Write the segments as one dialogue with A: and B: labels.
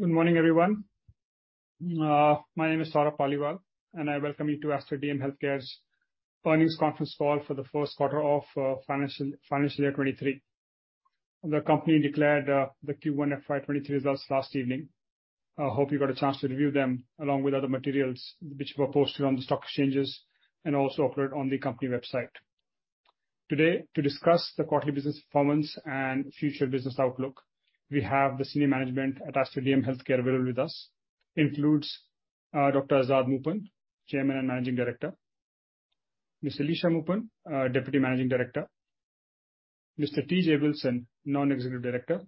A: Good morning, everyone. My name is Saurabh Paliwal, and I welcome you to Aster DM Healthcare's Earnings Conference Call for the first quarter of financial year 2023. The company declared the Q1 FY23 results last evening. I hope you got a chance to review them along with other materials which were posted on the stock exchanges and also on the company website. Today, to discuss the quarterly business performance and future business outlook, we have the senior management at Aster DM Healthcare available with us, includes Dr. Azad Moopen, Chairman and Managing Director, Ms. Alisha Moopen, Deputy Managing Director, Mr. T. J. Wilson, Non-Executive Director,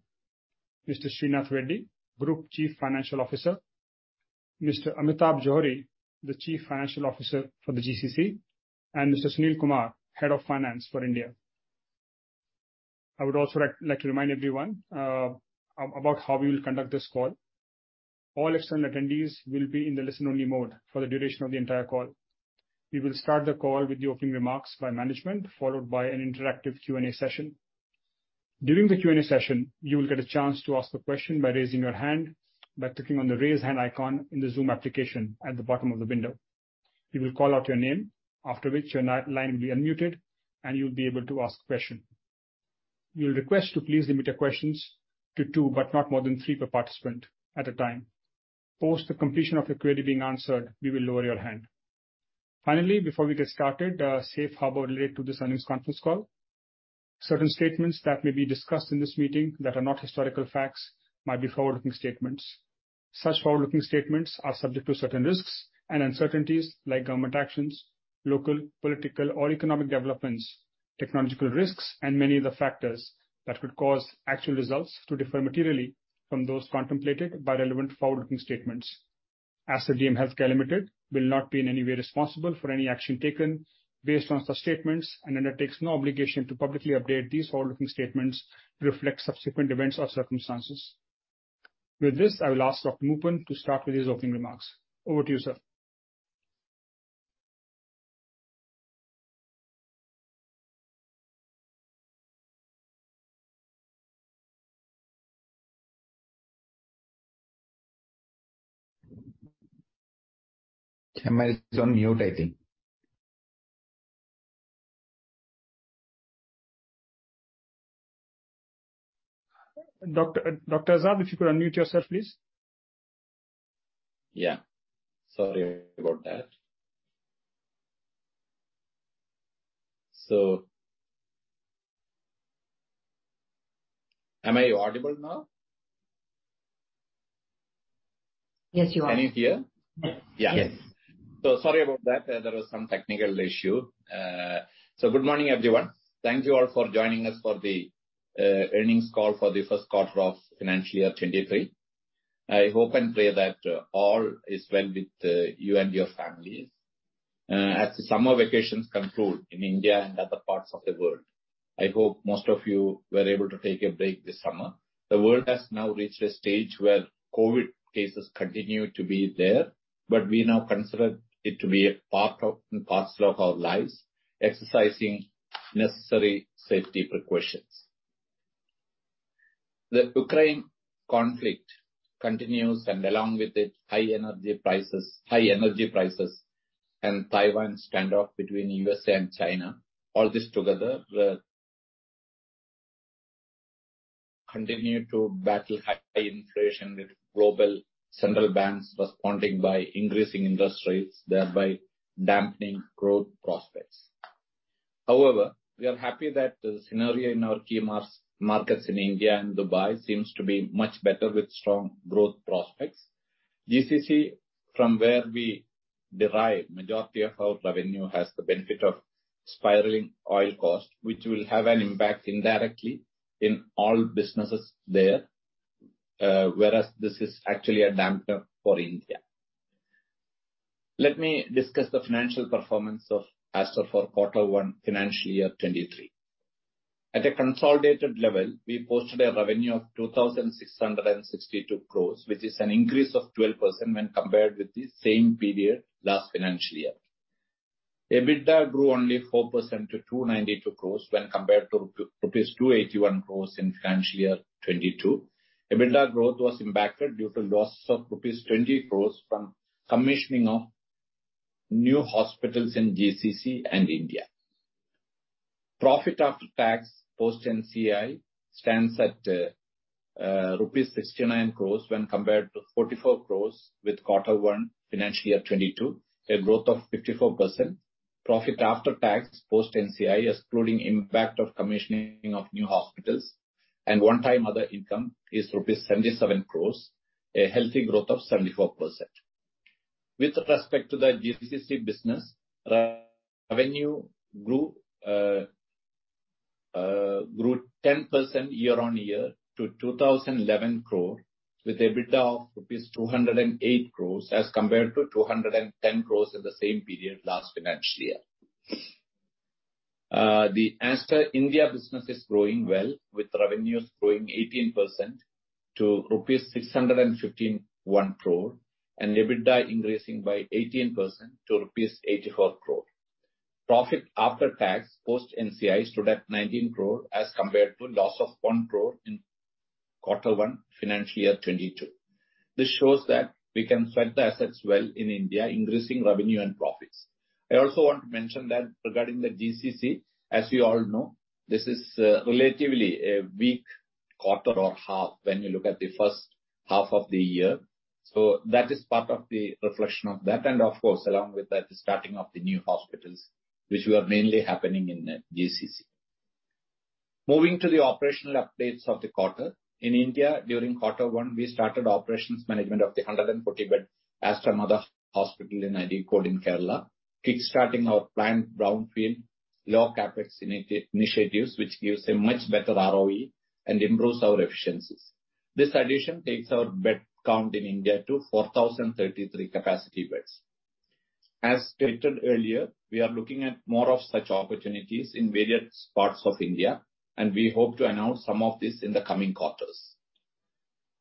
A: Mr. Sreenath Reddy, Group Chief Financial Officer, Mr. Amitabh Johri, the Chief Financial Officer for the GCC, and Mr. Sunil Kumar, Head of Finance for India. I would also like to remind everyone about how we will conduct this call. All external attendees will be in the listen-only mode for the duration of the entire call. We will start the call with the opening remarks by management, followed by an interactive Q&A session. During the Q&A session, you will get a chance to ask the question by raising your hand by clicking on the Raise Hand icon in the Zoom application at the bottom of the window. We will call out your name, after which your line will be unmuted, and you'll be able to ask question. We'll request to please limit your questions to two, but not more than three per participant at a time. Post the completion of your query being answered, we will lower your hand. Finally, before we get started, safe harbor related to this earnings conference call. Certain statements that may be discussed in this meeting that are not historical facts may be forward-looking statements. Such forward-looking statements are subject to certain risks and uncertainties like government actions, local, political or economic developments, technological risks, and many other factors that could cause actual results to differ materially from those contemplated by relevant forward-looking statements. Aster DM Healthcare Limited will not be in any way responsible for any action taken based on such statements and undertakes no obligation to publicly update these forward-looking statements to reflect subsequent events or circumstances. With this, I will ask Dr. Moopen to start with his opening remarks. Over to you, sir.
B: The mic is on mute, I think.
A: Dr. Azad, if you could unmute yourself, please.
B: Yeah. Sorry about that. Am I audible now?
C: Yes, you are.
B: Can you hear?
A: Yeah.
B: Yeah.
C: Yes.
B: Sorry about that. There was some technical issue. Good morning, everyone. Thank you all for joining us for the earnings call for the first quarter of financial year 2023. I hope and pray that all is well with you and your families. As the summer vacations conclude in India and other parts of the world, I hope most of you were able to take a break this summer. The world has now reached a stage where COVID cases continue to be there, but we now consider it to be a part and parcel of our lives, exercising necessary safety precautions. The Ukraine conflict continues, and along with it, high energy prices and Taiwan standoff between USA and China, all this together, continue to battle high inflation with global central banks responding by increasing interest rates, thereby dampening growth prospects. However, we are happy that the scenario in our key markets in India and Dubai seems to be much better with strong growth prospects. GCC, from where we derive majority of our revenue, has the benefit of spiraling oil costs, which will have an impact indirectly in all businesses there, whereas this is actually a damper for India. Let me discuss the financial performance of Aster for quarter one financial year 23. At a consolidated level, we posted a revenue of 2,662 crores, which is an increase of 12% when compared with the same period last financial year. EBITDA grew only 4% to 292 crores when compared to rupees 281 crores in financial year 2022. EBITDA growth was impacted due to losses of rupees 20 crores from commissioning of new hospitals in GCC and India. Profit after tax post NCI stands at rupees 69 crores when compared to 44 crores in quarter one financial year 2022, a growth of 54%. Profit after tax post NCI, excluding impact of commissioning of new hospitals and one-time other income, is rupees 77 crores, a healthy growth of 74%. With respect to the GCC business, revenue grew 10% year-on-year to 2,011 crores with EBITDA of rupees 208 crores as compared to 210 crores in the same period last financial year. The Aster India business is growing well, with revenues growing 18% to rupees 615.1 crore and EBITDA increasing by 18% to rupees 84 crore. Profit after tax post NCI stood at 19 crore as compared to loss of 1 crore in quarter one financial year 2022. This shows that we can sweat the assets well in India, increasing revenue and profits. I also want to mention that regarding the GCC, as you all know, this is relatively a weak quarter or half when you look at the first half of the year. That is part of the reflection of that. Of course, along with that, the starting of the new hospitals, which were mainly happening in GCC. Moving to the operational updates of the quarter. In India, during quarter one we started operations management of the 140-bed Aster Mother Hospital in Areekode in Kerala, kick-starting our planned brownfield low CapEx initiatives, which gives a much better ROE and improves our efficiencies. This addition takes our bed count in India to 4,033 capacity beds. As stated earlier, we are looking at more of such opportunities in various parts of India, and we hope to announce some of this in the coming quarters.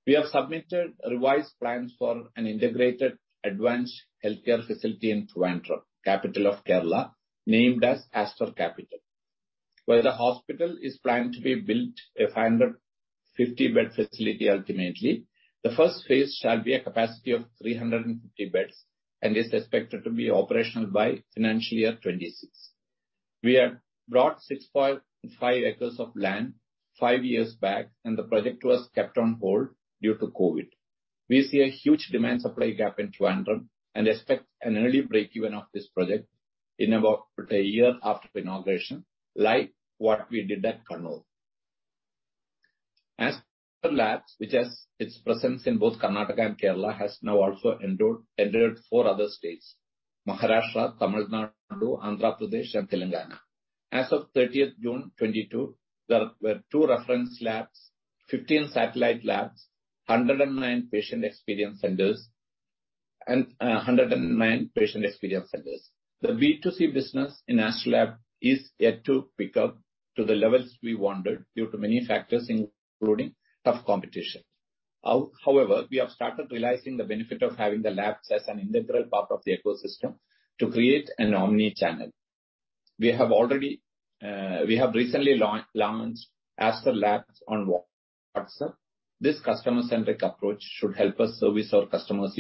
B: We have submitted revised plans for an integrated advanced healthcare facility in Trivandrum, capital of Kerala, named as Aster Capital. Where the hospital is planned to be a 150-bed facility ultimately, the first phase shall be a capacity of 350 beds and is expected to be operational by FY26. We have bought 6.5 acres of land five years back, and the project was kept on hold due to COVID. We see a huge demand-supply gap in Trivandrum and expect an early break-even of this project in about a year after inauguration, like what we did at Kannur. Aster Labs, which has its presence in both Karnataka and Kerala, has now also entered four other states, Maharashtra, Tamil Nadu, Andhra Pradesh, and Telangana. As of 30th June 2022, there were two reference labs, 15 satellite labs, 109 patient experience centers. The B2C business in Aster Labs is yet to pick up to the levels we wanted due to many factors, including tough competition. However, we have started realizing the benefit of having the labs as an integral part of the ecosystem to create an omnichannel. We have already, we have recently launched Aster Labs on WhatsApp. This customer-centric approach should help us service our customers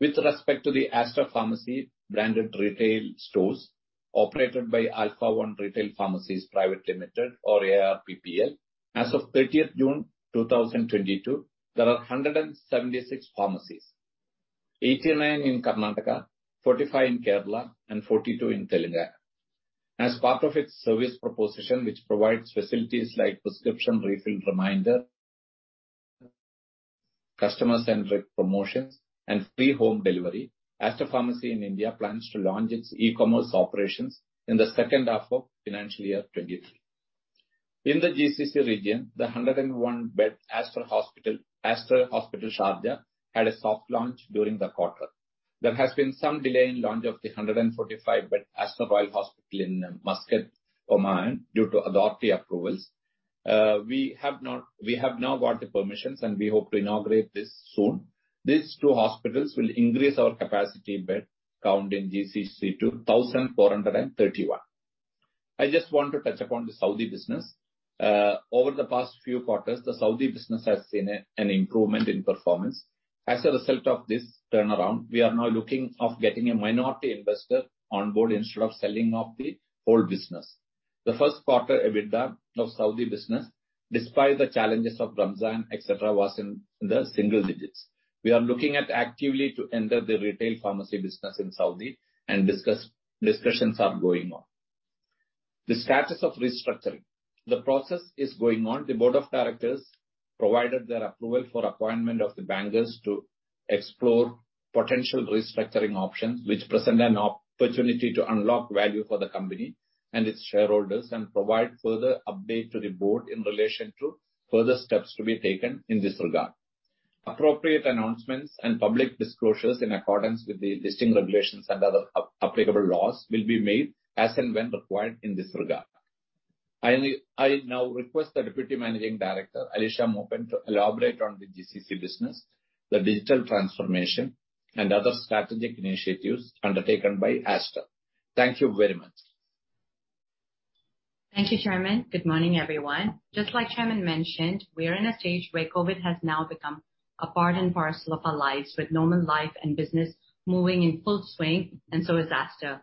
B: even better. With respect to the Aster Pharmacy branded retail stores operated by Alfaone Retail Pharmacies Private Limited or ARPPL, as of thirtieth June two thousand twenty-two, there are 176 pharmacies, 89 in Karnataka, 45 in Kerala and 42 in Telangana. As part of its service proposition, which provides facilities like prescription refill reminder, customer-centric promotions, and free home delivery, Aster Pharmacy in India plans to launch its e-commerce operations in the second half of financial year 2023. In the GCC region, the 101-bed Aster Hospital Sharjah had a soft launch during the quarter. There has been some delay in launch of the 145-bed Aster Royal Hospital in Muscat, Oman, due to authority approvals. We have now got the permissions, and we hope to inaugurate this soon. These two hospitals will increase our capacity bed count in GCC to 1,431. I just want to touch upon the Saudi business. Over the past few quarters, the Saudi business has seen an improvement in performance. As a result of this turnaround, we are now looking to get a minority investor on board instead of selling off the whole business. The first quarter EBITDA of Saudi business, despite the challenges of Ramadan, et cetera, was in the single digits. We are looking to actively enter the retail pharmacy business in Saudi and discussions are going on. The status of restructuring. The process is going on. The board of directors provided their approval for appointment of the bankers to explore potential restructuring options, which present an opportunity to unlock value for the company and its shareholders and provide further update to the board in relation to further steps to be taken in this regard. Appropriate announcements and public disclosures in accordance with the listing regulations and other applicable laws will be made as and when required in this regard. I now request the Deputy Managing Director, Alisha Moopen, to elaborate on the GCC business, the digital transformation, and other strategic initiatives undertaken by Aster. Thank you very much.
D: Thank you, Chairman. Good morning, everyone. Just like Chairman mentioned, we are in a stage where COVID has now become a part and parcel of our lives, with normal life and business moving in full swing, and so is Aster.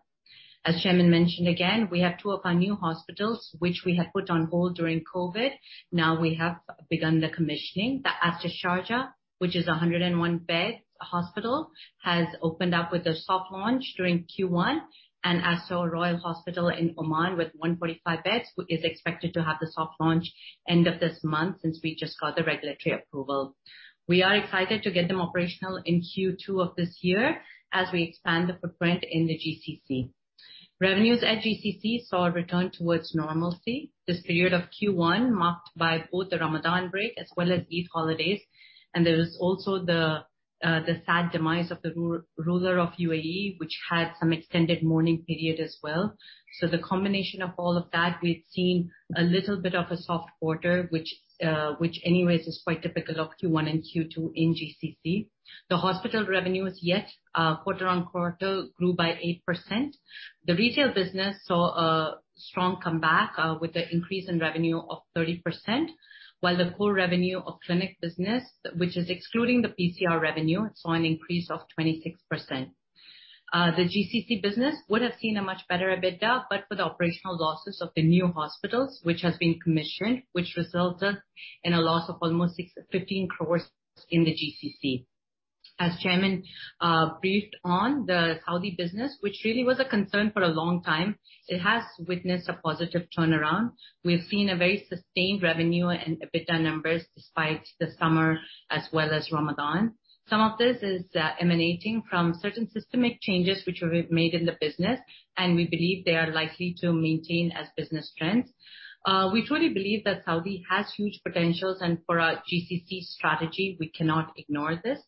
D: As Chairman mentioned again, we have two of our new hospitals, which we had put on hold during COVID, now we have begun the commissioning. The Aster Hospital, Sharjah, which is a 101-bed hospital, has opened up with a soft launch during Q1, and Aster Royal Al Raffah Hospital in Oman with 145 beds is expected to have the soft launch end of this month since we just got the regulatory approval. We are excited to get them operational in Q2 of this year as we expand the footprint in the GCC. Revenues at GCC saw a return towards normalcy. This period of Q1 marked by both the Ramadan break as well as Eid holidays, and there was also the sad demise of the ruler of UAE, which had some extended mourning period as well. The combination of all of that, we've seen a little bit of a soft quarter which anyways is quite typical of Q1 and Q2 in GCC. The hospital revenues yet, quarter-on-quarter grew by 8%. The retail business saw a strong comeback, with the increase in revenue of 30%, while the core revenue of clinic business, which is excluding the PCR revenue, saw an increase of 26%. The GCC business would have seen a much better EBITDA but for the operational losses of the new hospitals which has been commissioned, which resulted in a loss of almost 15 crore in the GCC. As chairman briefed on the Saudi business, which really was a concern for a long time, it has witnessed a positive turnaround. We've seen a very sustained revenue and EBITDA numbers despite the summer as well as Ramadan. Some of this is emanating from certain systemic changes which we've made in the business, and we believe they are likely to maintain as business trends. We truly believe that Saudi has huge potentials, and for our GCC strategy, we cannot ignore this.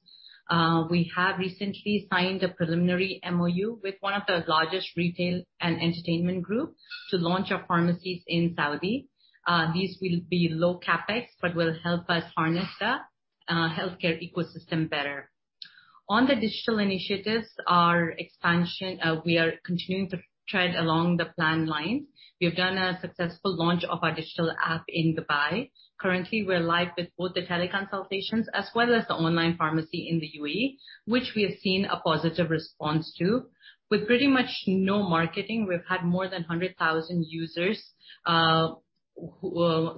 D: We have recently signed a preliminary MoU with one of the largest retail and entertainment group to launch our pharmacies in Saudi. These will be low CapEx, but will help us harness the healthcare ecosystem better. On the digital initiatives, our expansion, we are continuing to tread along the planned lines. We've done a successful launch of our digital app in Dubai. Currently, we're live with both the teleconsultations as well as the online pharmacy in the UAE, which we have seen a positive response to. With pretty much no marketing, we've had more than 100,000 users who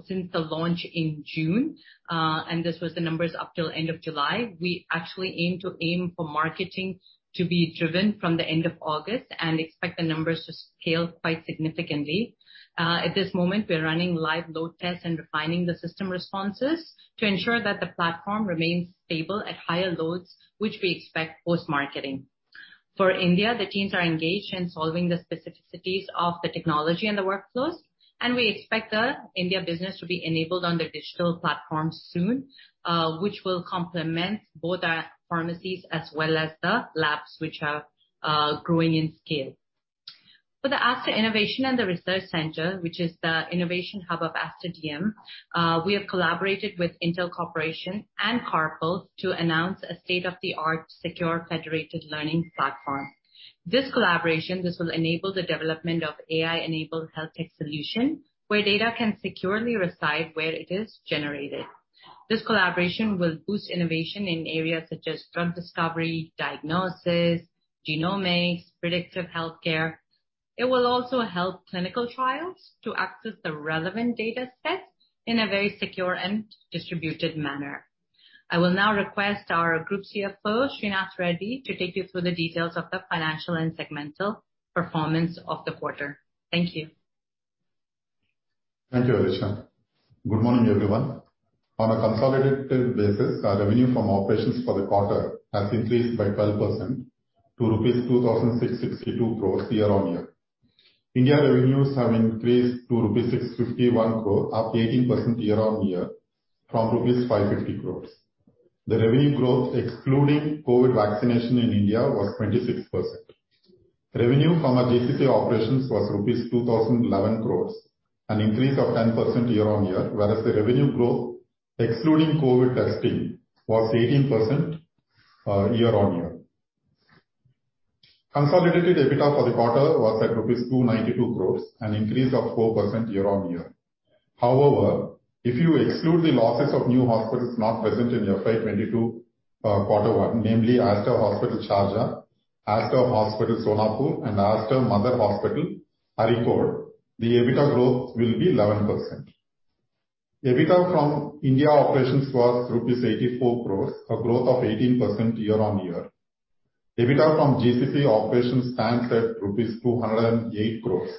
D: since the launch in June and this was the numbers up till end of July. We actually aim for marketing to be driven from the end of August and expect the numbers to scale quite significantly. At this moment, we're running live load tests and refining the system responses to ensure that the platform remains stable at higher loads, which we expect post-marketing. For India, the teams are engaged in solving the specificities of the technology and the workflows, and we expect the India business to be enabled on the digital platform soon, which will complement both our pharmacies as well as the labs which are growing in scale. For the Aster Innovation and Research Center, which is the innovation hub of Aster DM, we have collaborated with Intel Corporation and CARPL to announce a state-of-the-art secure federated learning platform. This will enable the development of AI-enabled health tech solution where data can securely reside where it is generated. This collaboration will boost innovation in areas such as drug discovery, diagnosis, genomics, predictive healthcare. It will also help clinical trials to access the relevant data sets in a very secure and distributed manner. I will now request our Group CFO, Srinath Reddy, to take you through the details of the financial and segmental performance of the quarter. Thank you.
E: Thank you, Alisha. Good morning, everyone. On a consolidated basis, our revenue from operations for the quarter has increased by 12% to rupees 2,662 crore year-on-year. India revenues have increased to rupees 651 crore, up 18% year-on-year from rupees 550 crore. The revenue growth excluding COVID vaccination in India was 26%. Revenue from our GCC operations was rupees 2,011 crore, an increase of 10% year-on-year, whereas the revenue growth excluding COVID testing was 18% year-on-year. Consolidated EBITDA for the quarter was at 292 crore rupees, an increase of 4% year-on-year. However, if you exclude the losses of new hospitals not present in your FY22, quarter one, namely Aster Hospital, Sharjah, Aster Hospital, Sonapur, and Aster Mother Hospital, Areekode, the EBITDA growth will be 11%. EBITDA from India operations was rupees 84 crores, a growth of 18% year-on-year. EBITDA from GCC operations stands at rupees 208 crores,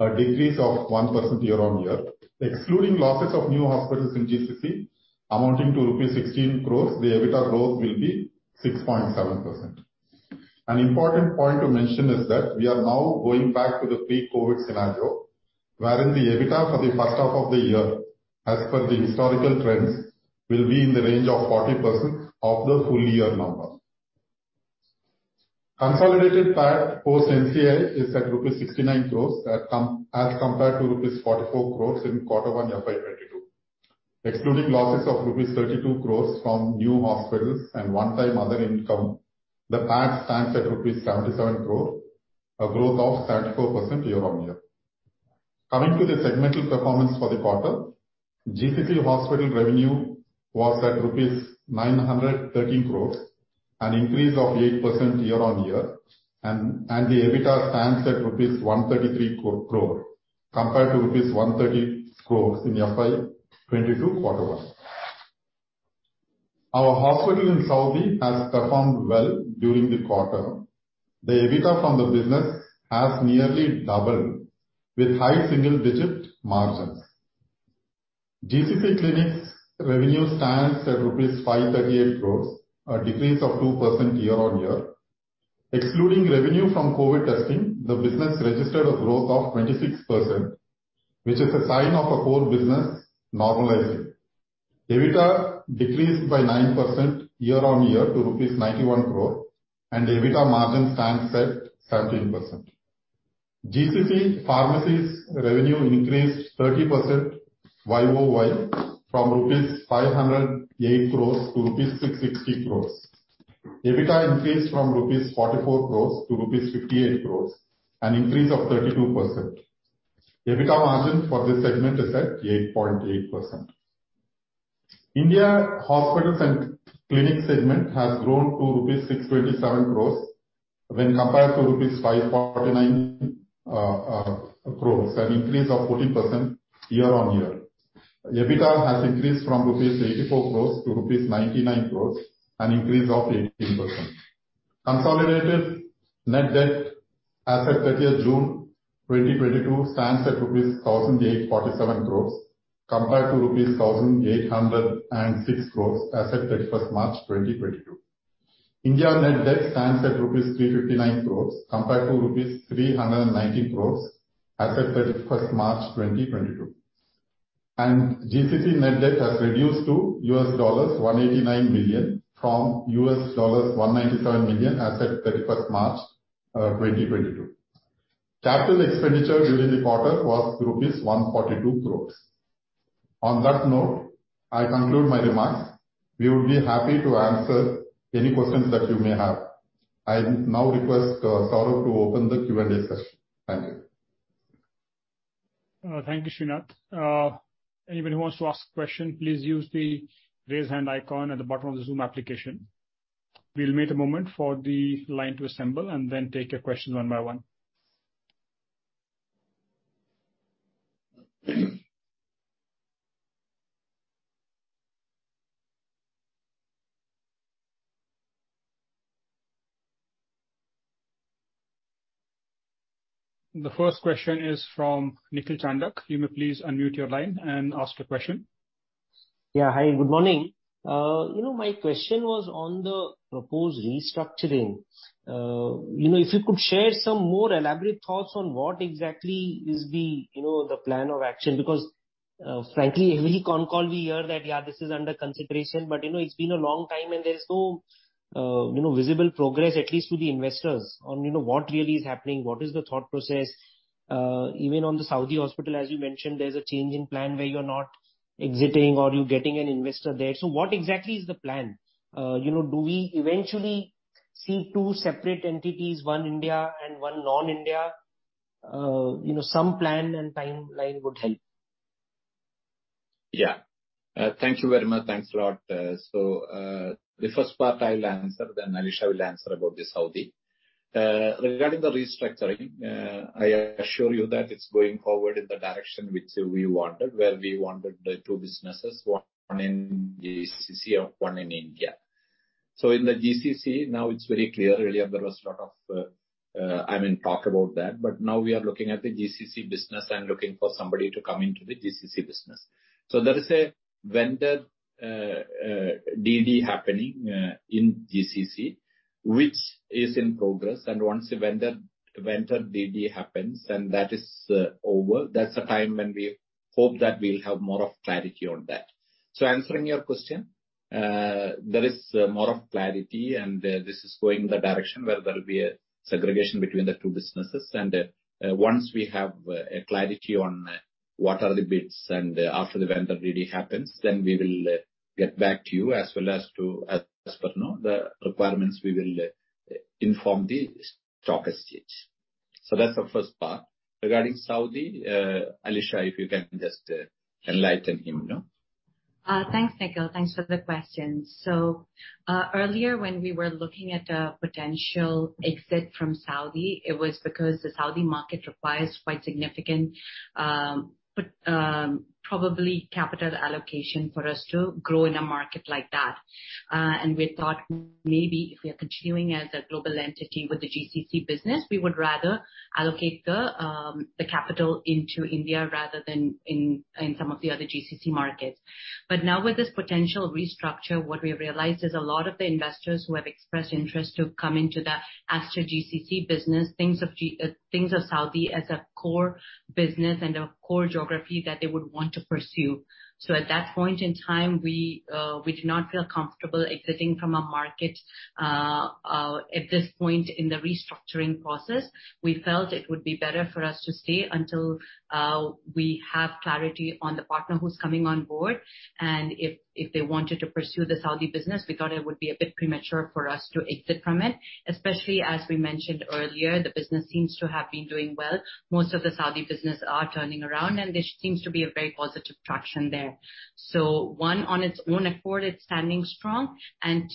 E: a decrease of 1% year-on-year. Excluding losses of new hospitals in GCC amounting to rupees 16 crores, the EBITDA growth will be 6.7%. An important point to mention is that we are now going back to the pre-COVID scenario, wherein the EBITDA for the first half of the year, as per the historical trends, will be in the range of 40% of the full year numbers. Consolidated PAT post NCI is at 69 crore rupees as compared to 44 crore rupees in Q1 FY22. Excluding losses of 32 crore rupees from new hospitals and one-time other income, the PAT stands at 77 crore rupees, a growth of 34% year-on-year. Coming to the segmental performance for the quarter, GCC hospital revenue was at rupees 930 crore, an increase of 8% year-on-year, and the EBITDA stands at rupees 133 crore, compared to rupees 130 crore in FY22 Q1. Our hospital in Saudi has performed well during the quarter. The EBITDA from the business has nearly doubled with high single-digit margins. GCC clinics revenue stands at rupees 538 crore, a decrease of 2% year-on-year. Excluding revenue from COVID testing, the business registered a growth of 26%, which is a sign of a core business normalizing. EBITDA decreased by 9% year-over-year to rupees 91 crore, and EBITDA margin stands at 17%. GCC pharmacies revenue increased 30% year-over-year from rupees 508 crore to rupees 660 crore. EBITDA increased from rupees 44 crore to rupees 58 crore, an increase of 32%. EBITDA margin for this segment is at 8.8%. India hospitals and clinic segment has grown to rupees 627 crore when compared to rupees 549 crore, an increase of 14% year-over-year. EBITDA has increased from rupees 84 crore to rupees 99 crore, an increase of 18%. Consolidated net debt as at 30th June 2022 stands at rupees 1,847 crores, compared to rupees 1,806 crores as at 31st March 2022. India net debt stands at rupees 359 crores compared to rupees 390 crores as at 31st March 2022. GCC net debt has reduced to $189 million from $197 million as at 31st March 2022. Capital expenditure during the quarter was rupees 142 crores. On that note, I conclude my remarks. We will be happy to answer any questions that you may have. I now request Saurabh to open the Q&A session. Thank you.
A: Thank you, Sreenath. Anybody who wants to ask a question, please use the raise hand icon at the bottom of the Zoom application. We'll wait a moment for the line to assemble, and then take your questions one by one. The first question is from Nikhil Chandak. You may please unmute your line and ask your question.
F: Yeah. Hi, good morning. You know, my question was on the proposed restructuring. You know, if you could share some more elaborate thoughts on what exactly is the, you know, the plan of action. Because, frankly, every con call we hear that, "Yeah, this is under consideration," but, you know, it's been a long time, and there is no, you know, visible progress at least to the investors on, you know, what really is happening, what is the thought process. Even on the Saudi hospital, as you mentioned, there's a change in plan where you're not exiting or you're getting an investor there. So what exactly is the plan? You know, do we eventually see two separate entities, one India and one non-India? You know, some plan and timeline would help.
B: Thank you very much. Thanks a lot. The first part I'll answer, then Alisha will answer about the Saudi. Regarding the restructuring, I assure you that it's going forward in the direction which we wanted, where we wanted the two businesses, one in GCC and one in India. In the GCC, now it's very clear. Earlier there was a lot of, I mean, talk about that, but now we are looking at the GCC business and looking for somebody to come into the GCC business. There is a vendor DD happening in GCC which is in progress. Once the vendor DD happens, and that is over, that's the time when we hope that we'll have more of clarity on that. Answering your question, there is more of clarity and this is going the direction where there'll be a segregation between the two businesses. Once we have a clarity on what are the bids and after the vendor DD happens, then we will get back to you as well as to, as per, you know, the requirements we will inform the stock exchange. That's the first part. Regarding Saudi, Alisha, if you can just enlighten him, you know.
D: Thanks, Nikhil. Thanks for the question. Earlier when we were looking at a potential exit from Saudi, it was because the Saudi market requires quite significant, probably capital allocation for us to grow in a market like that. We thought maybe if we are continuing as a global entity with the GCC business, we would rather allocate the capital into India rather than in some of the other GCC markets. Now with this potential restructure, what we have realized is a lot of the investors who have expressed interest to come into the Aster GCC business thinks of Saudi as a core business and a core geography that they would want to pursue. At that point in time, we do not feel comfortable exiting from a market at this point in the restructuring process. We felt it would be better for us to stay until we have clarity on the partner who's coming on board. If they wanted to pursue the Saudi business, we thought it would be a bit premature for us to exit from it, especially as we mentioned earlier, the business seems to have been doing well. Most of the Saudi business are turning around, and there seems to be a very positive traction there. One on its own accord, it's standing strong.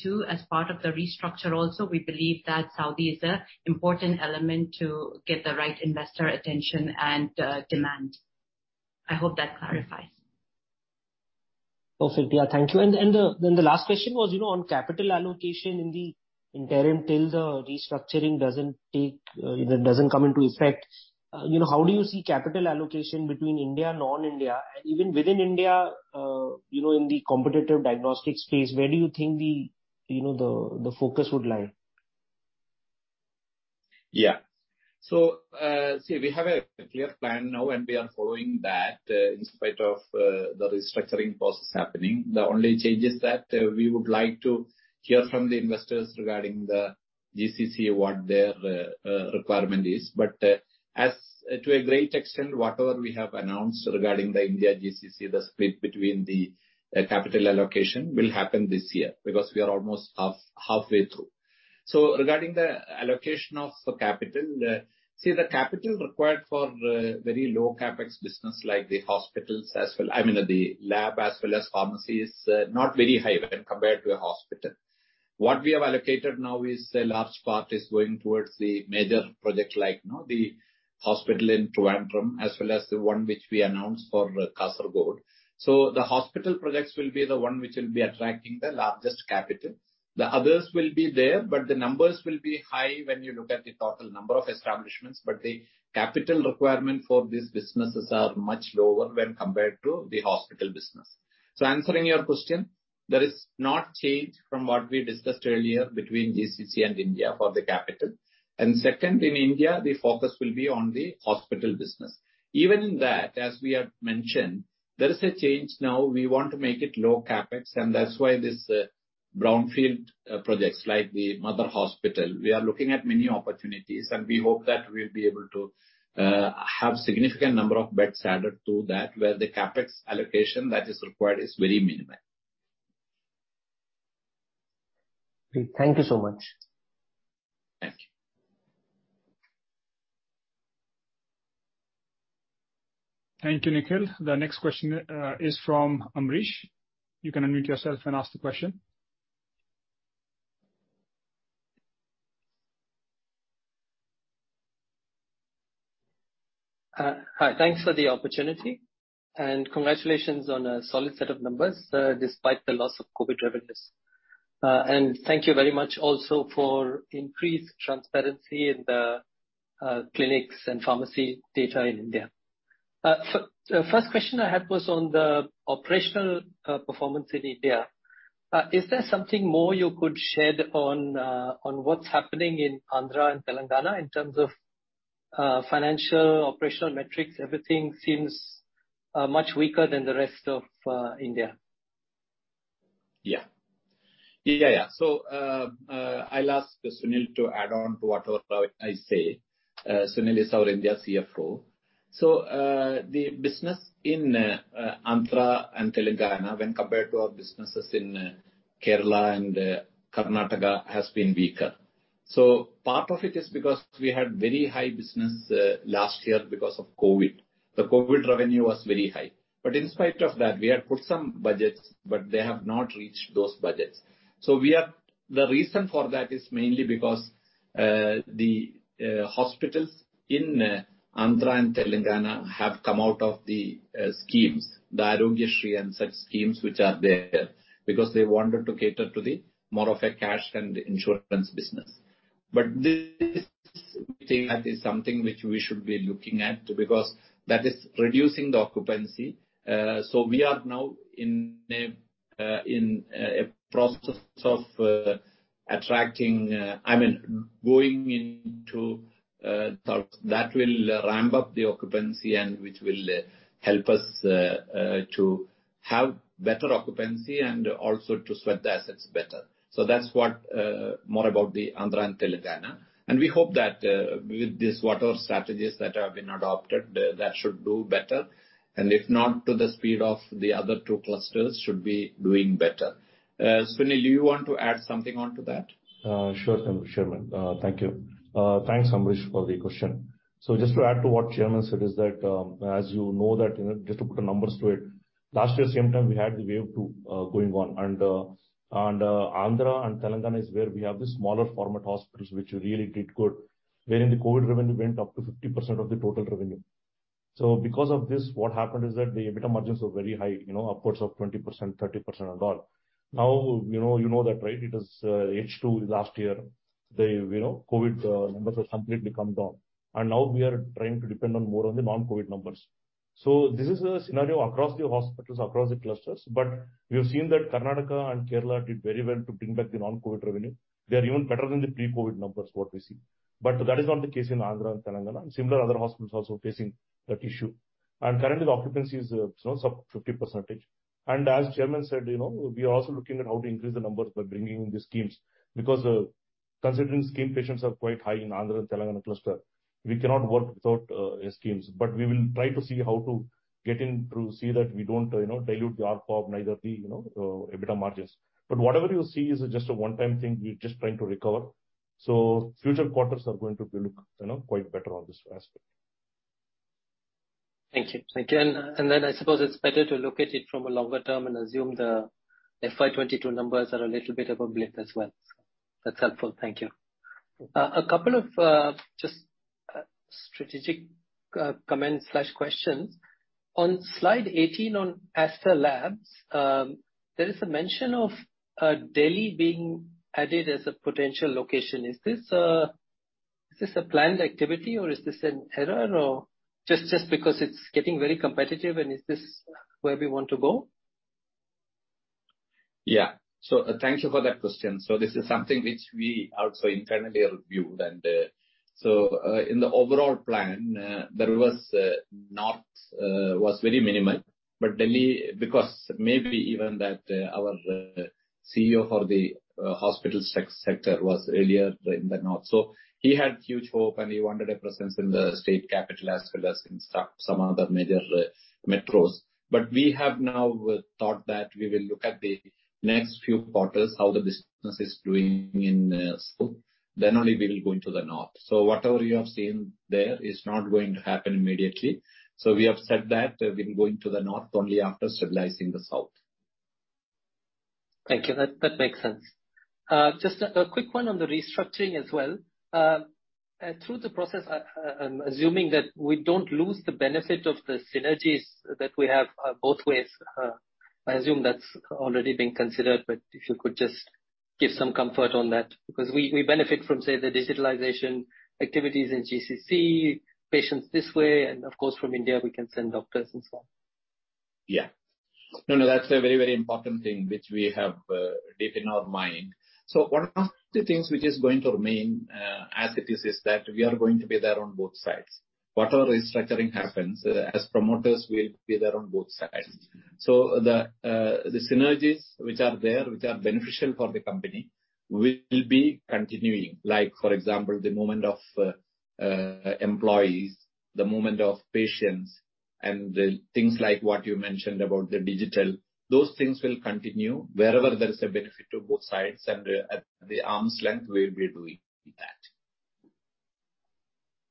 D: Two, as part of the restructure also, we believe that Saudi is a important element to get the right investor attention and demand. I hope that clarifies.
F: Perfect. Yeah, thank you. The last question was, you know, on capital allocation in the interim till the restructuring doesn't come into effect. You know, how do you see capital allocation between India and non-India? Even within India, you know, in the competitive diagnostics space, where do you think, you know, the focus would lie?
B: Yeah. See, we have a clear plan now, and we are following that, in spite of, the restructuring process happening. The only change is that, we would like to hear from the investors regarding the GCC, what their, requirement is. As to a great extent, whatever we have announced regarding the India GCC, the split between the, capital allocation will happen this year, because we are almost halfway through. Regarding the allocation of the capital, see the capital required for, very low CapEx business, like the hospitals as well, I mean, the lab as well as pharmacy is, not very high when compared to a hospital. What we have allocated now is a large part is going towards the major projects like, you know, the hospital in Trivandrum, as well as the one which we announced for Kasaragod. The hospital projects will be the one which will be attracting the largest capital. The others will be there, but the numbers will be high when you look at the total number of establishments. The capital requirement for these businesses are much lower when compared to the hospital business. Answering your question, there is no change from what we discussed earlier between GCC and India for the capital. Second, in India, the focus will be on the hospital business. Even that, as we have mentioned, there is a change now. We want to make it low CapEx, and that's why this brownfield projects like the mother hospital, we are looking at many opportunities and we hope that we'll be able to have significant number of beds added to that, where the CapEx allocation that is required is very minimal.
F: Great. Thank you so much.
B: Thank you.
A: Thank you, Nikhil. The next question is from Amrish. You can unmute yourself and ask the question.
G: Hi. Thanks for the opportunity and congratulations on a solid set of numbers, despite the loss of COVID revenues. Thank you very much also for increased transparency in the clinics and pharmacy data in India. First question I had was on the operational performance in India. Is there something more you could shed on what's happening in Andhra and Telangana in terms of financial operational metrics? Everything seems much weaker than the rest of India.
B: Yeah. I'll ask Sunil to add on to whatever I say. Sunil is our India CFO. The business in Andhra and Telangana when compared to our businesses in Kerala and Karnataka has been weaker. Part of it is because we had very high business last year because of COVID. The COVID revenue was very high. In spite of that, we had put some budgets, but they have not reached those budgets. The reason for that is mainly because the hospitals in Andhra and Telangana have come out of the schemes, the Aarogyasri and such schemes which are there, because they wanted to cater to more of a cash and insurance business. This we think that is something which we should be looking at because that is reducing the occupancy. We are now in a process of attracting, I mean, going into talks that will ramp up the occupancy and which will help us to have better occupancy and also to sweat the assets better. That's what more about the Andhra and Telangana. We hope that with this, whatever strategies that have been adopted, that should do better, and if not to the speed of the other two clusters should be doing better. Sunil, do you want to add something onto that?
H: Sure, chairman. Thank you. Thanks, Amrish, for the question. Just to add to what chairman said is that, as you know that, you know, just to put numbers to it, last year, same time, we had the wave two going on. Andhra and Telangana is where we have the smaller format hospitals which really did good, wherein the COVID revenue went up to 50% of the total revenue. Because of this, what happened is that the EBITDA margins were very high, you know, upwards of 20%, 30% and all. Now, you know, you know that, right? It is H2 last year. Then, you know, COVID numbers have completely come down. Now we are trying to depend on more of the non-COVID numbers. This is a scenario across the hospitals, across the clusters. We have seen that Karnataka and Kerala did very well to bring back the non-COVID revenue. They are even better than the pre-COVID numbers, what we see. That is not the case in Andhra and Telangana. Similar other hospitals also facing that issue. Currently the occupancy is, you know, sub 50%. As chairman said, you know, we are also looking at how to increase the numbers by bringing in the schemes. Because, considering scheme patients are quite high in Andhra and Telangana cluster, we cannot work without, schemes, but we will try to see how to get in through, see that we don't, you know, dilute the ARPOB, neither the, you know, EBITDA margins. Whatever you see is just a one-time thing. We're just trying to recover. Future quarters are going to look, you know, quite better on this aspect.
G: Thank you. I suppose it's better to look at it from a longer term and assume the FY22 numbers are a little bit of a blip as well. That's helpful. Thank you. A couple of just strategic comments/questions. On slide 18 on Aster Labs, there is a mention of Delhi being added as a potential location. Is this a planned activity or is this an error, or just because it's getting very competitive, and is this where we want to go?
B: Yeah. Thank you for that question. This is something which we also internally reviewed. In the overall plan, north was very minimal, but Delhi, because maybe even that, our CEO for the hospital sector was earlier in the north. He had huge hope, and he wanted a presence in the state capital as well as in some other major metros. We have now thought that we will look at the next few quarters, how the business is doing in the south, then only we will go into the north. Whatever you have seen there is not going to happen immediately. We have said that we'll go to the north only after stabilizing the south.
G: Thank you. That makes sense. Just a quick one on the restructuring as well. Through the process, I'm assuming that we don't lose the benefit of the synergies that we have both ways. I assume that's already been considered, but if you could just give some comfort on that, because we benefit from, say, the digitalization activities in GCC, patients this way, and of course, from India, we can send doctors and so on.
B: Yeah. No, no, that's a very, very important thing which we have deep in our mind. One of the things which is going to remain as it is is that we are going to be there on both sides. Whatever restructuring happens, as promoters, we'll be there on both sides. The synergies which are there, which are beneficial for the company, will be continuing. Like for example, the movement of employees, the movement of patients and the things like what you mentioned about the digital. Those things will continue wherever there is a benefit to both sides and at arm's length, we'll be doing that.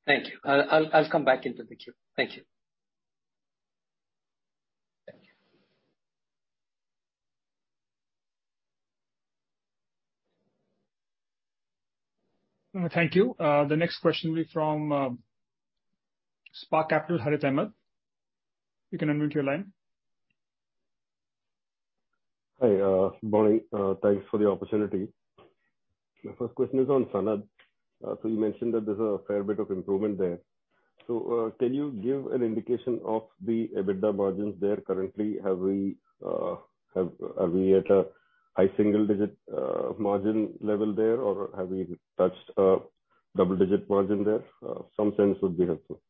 G: Thank you. I'll come back into the queue. Thank you.
B: Thank you.
A: Thank you. The next question will be from Spark Capital, Harith Ahamed. You can unmute your line.
I: Hi, good morning. Thanks for the opportunity. My first question is on Sanad. So you mentioned that there's a fair bit of improvement there. Can you give an indication of the EBITDA margins there currently? Are we at a high single digit margin level there, or have we touched a double digit margin there? Some sense would be helpful.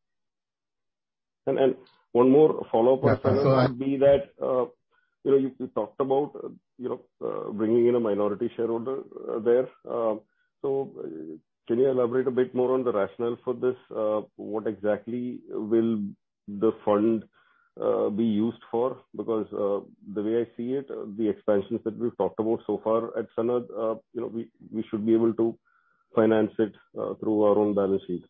I: One more follow-up on Sanad.
B: Yeah, sure.
I: Would be that, you know, you talked about, you know, bringing in a minority shareholder there. Can you elaborate a bit more on the rationale for this? What exactly will the fund be used for? Because the way I see it, the expansions that we've talked about so far at Sanad, you know, we should be able to finance it through our own balance sheet.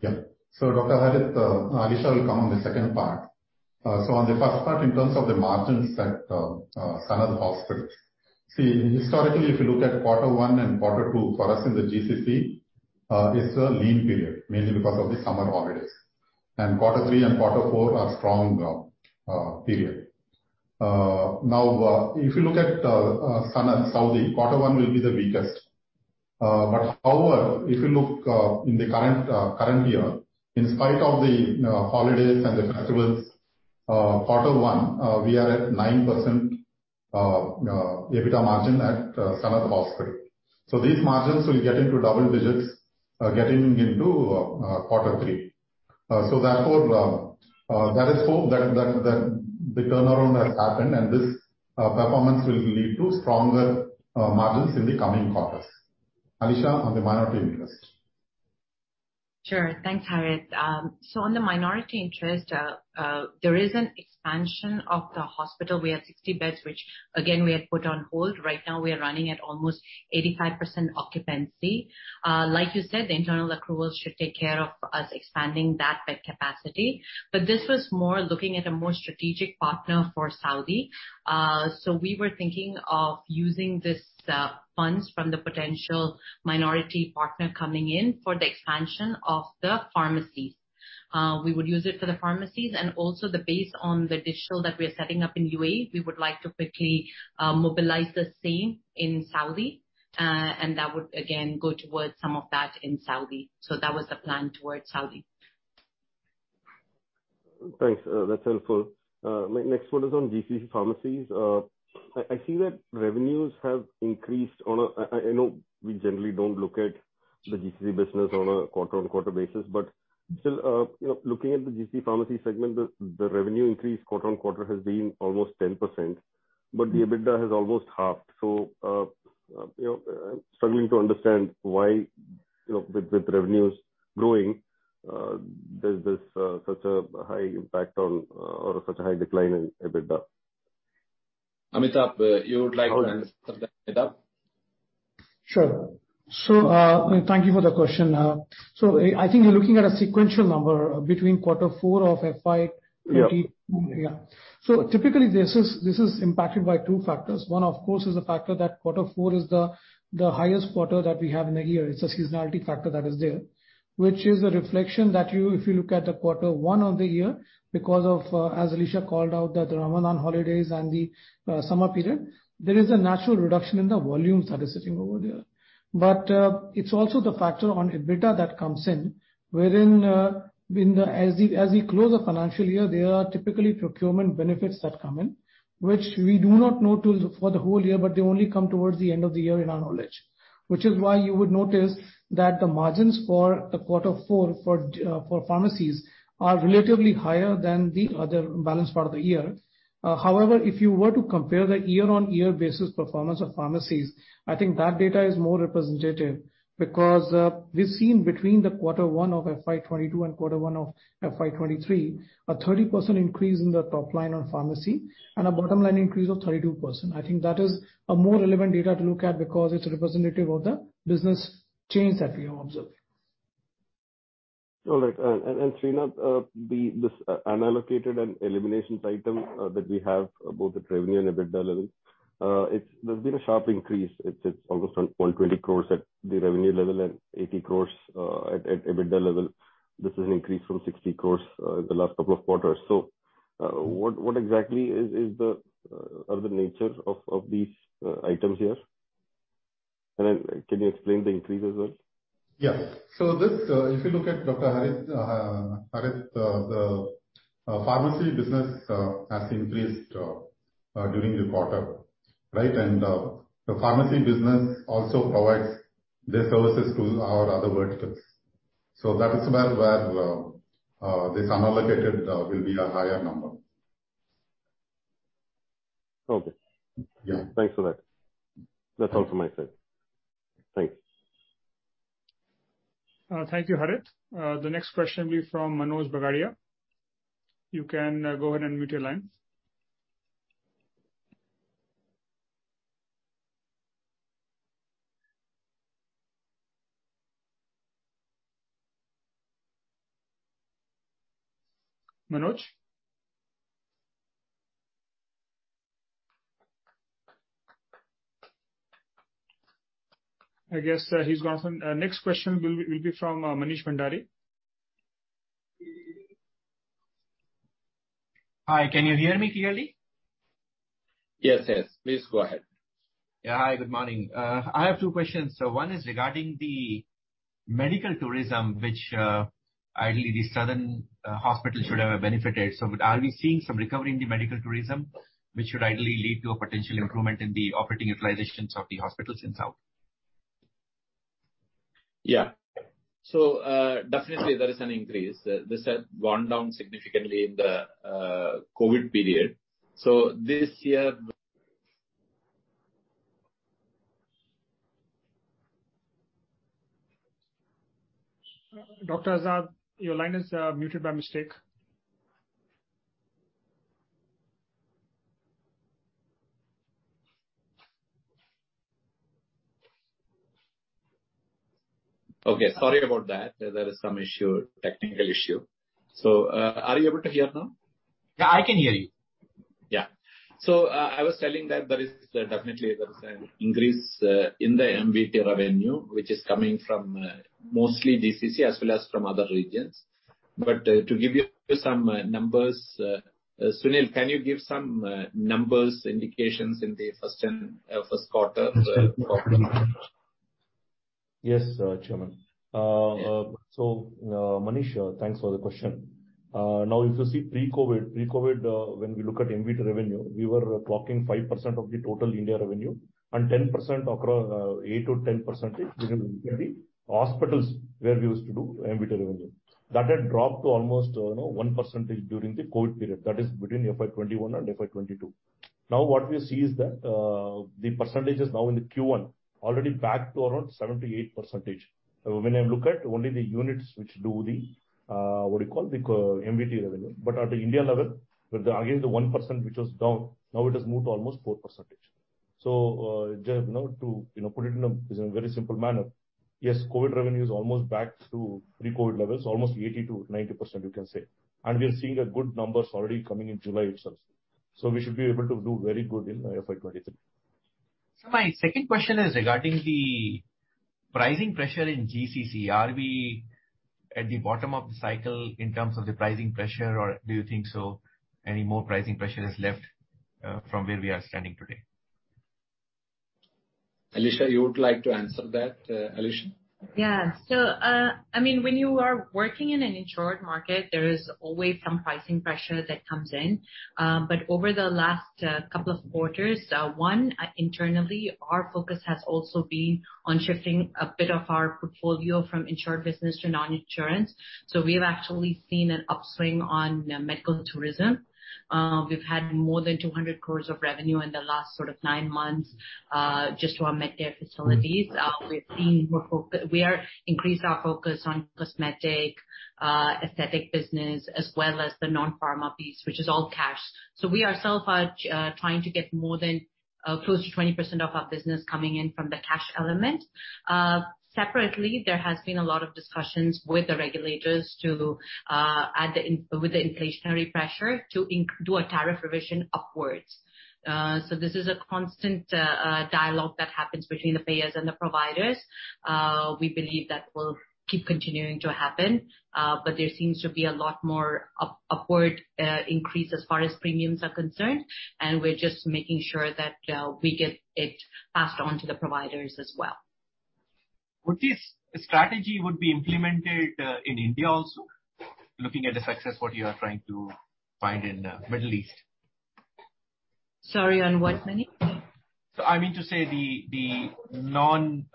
B: Yeah. Dr. Harith, Alisha will come on the second part. On the first part, in terms of the margins at Aster Sanad Hospital. See, historically, if you look at quarter one and quarter two, for us in the GCC, it's a lean period, mainly because of the summer holidays. Quarter three and quarter four are strong period. Now, if you look at Aster Sanad Saudi, quarter one will be the weakest. But however, if you look in the current year, in spite of the you know holidays and the festivals, quarter one, we are at 9% EBITDA margin at Aster Sanad Hospital. These margins will get into double digits, getting into quarter three. Therefore, there is hope that the turnaround has happened, and this performance will lead to stronger margins in the coming quarters. Alisha, on the minority interest.
D: Sure. Thanks, Harith. On the minority interest, there is an expansion of the hospital. We have 60 beds, which again, we had put on hold. Right now we are running at almost 85% occupancy. Like you said, the internal accruals should take care of us expanding that bed capacity. This was more looking at a more strategic partner for Saudi. We were thinking of using this funds from the potential minority partner coming in for the expansion of the pharmacies. We would use it for the pharmacies and also the base on the digital that we are setting up in UAE. We would like to quickly mobilize the same in Saudi. That would again go towards some of that in Saudi. That was the plan towards Saudi.
I: Thanks. That's helpful. My next one is on GCC Pharmacies. I see that revenues have increased. I know we generally don't look at the GCC business on a quarter-on-quarter basis, but still, you know, looking at the GCC Pharmacy segment, the revenue increase quarter on quarter has been almost 10%, but the EBITDA has almost halved. Struggling to understand why, you know, with revenues growing, there's this such a high impact on or such a high decline in EBITDA.
B: Amitabh, you would like to take that up?
J: Sure. Thank you for the question. I think you're looking at a sequential number between quarter four of FY twenty-
I: Yeah.
J: Yeah. Typically, this is impacted by two factors. One, of course, is the factor that quarter four is the highest quarter that we have in a year. It's a seasonality factor that is there. Which is a reflection that you if you look at the quarter one of the year, because of, as Alisha called out, that the Ramadan holidays and the summer period, there is a natural reduction in the volumes that are sitting over there. It's also the factor on EBITDA that comes in, wherein, in the as we close the financial year, there are typically procurement benefits that come in, which we do not know till for the whole year, they only come towards the end of the year in our knowledge. Which is why you would notice that the margins for the quarter four for pharmacies are relatively higher than the other balance of the year. However, if you were to compare the year-on-year basis performance of pharmacies, I think that data is more representative because we've seen between the quarter one of FY 2022 and quarter one of FY 2023, a 30% increase in the top line of pharmacy and a bottom-line increase of 32%. I think that is a more relevant data to look at because it's representative of the business change that we have observed.
I: All right. Srinath, this unallocated and eliminations item that we have both at revenue and EBITDA level, there's been a sharp increase. It's almost 1.20 crore at the revenue level and 80 crore at EBITDA level. This is an increase from 60 crore in the last couple of quarters. What exactly is the nature of these items here? Can you explain the increase as well?
E: Yes. This, if you look at Dr. Harith, the pharmacy business has increased during the quarter, right? The pharmacy business also provides their services to our other verticals. That is where this unallocated will be a higher number.
I: Okay.
E: Yeah.
I: Thanks for that. That's all from my side. Thanks.
A: Thank you, Harith. The next question will be from Manoj Bagaria. You can go ahead and mute your line. Manoj? I guess he's gone. Next question will be from Manish Mandhana.
K: Hi. Can you hear me clearly?
B: Yes, yes. Please go ahead.
K: Yeah. Hi, good morning. I have two questions. One is regarding the medical tourism, which ideally the southern hospitals should have benefited. Are we seeing some recovery in the medical tourism which would ideally lead to a potential improvement in the operating utilizations of the hospitals in South?
B: Yeah. Definitely there is an increase. This had gone down significantly in the COVID period. This year-
A: Dr. Azad Moopen, your line is muted by mistake.
B: Okay, sorry about that. There is some issue, technical issue. Are you able to hear now?
K: Yeah, I can hear you.
B: Yeah. I was telling that there is definitely an increase in the MVT revenue which is coming from mostly GCC as well as from other regions. To give you some numbers, Sunil, can you give some numbers, indications in the first quarter performance?
H: Yes, Chairman. Manish, thanks for the question. Now if you see pre-COVID, when we look at MVT revenue, we were clocking 5% of the total India revenue and 10% across 8%-10% within the hospitals where we used to do MVT revenue. That had dropped to almost, you know, 1% during the COVID period. That is between FY21 and FY22. Now what we see is that the percentage is now in Q1 already back to around 7%-8%. When I look at only the units which do what do you call, the core MVT revenue. At the India level, with again the 1% which was down, now it has moved to almost 4%. You know, to you know put it in a very simple manner, yes, COVID revenue is almost back to pre-COVID levels, almost 80%-90% you can say. We are seeing the good numbers already coming in July itself. We should be able to do very good in FY23.
K: My second question is regarding the pricing pressure in GCC. Are we at the bottom of the cycle in terms of the pricing pressure or do you think there's any more pricing pressure left, from where we are standing today?
H: Alisha, you would like to answer that, Alisha?
D: Yeah. I mean, when you are working in an insured market, there is always some pricing pressure that comes in. Over the last couple of quarters, internally, our focus has also been on shifting a bit of our portfolio from insured business to non-insurance. We've actually seen an upswing on medical tourism. We've had more than 200 crore of revenue in the last sort of nine months, just to our Medcare facilities. We are increased our focus on cosmetic, aesthetic business as well as the non-pharma piece, which is all cash. We ourselves are trying to get more than close to 20% of our business coming in from the cash element. Separately, there has been a lot of discussions with the regulators to add the increase with the inflationary pressure to do a tariff revision upwards. This is a constant dialogue that happens between the payers and the providers. We believe that will keep continuing to happen. There seems to be a lot more upward increase as far as premiums are concerned, and we're just making sure that we get it passed on to the providers as well.
K: Would this strategy be implemented in India also, looking at the success what you are trying to find in Middle East?
D: Sorry, on what, Manish?
K: I mean to say the non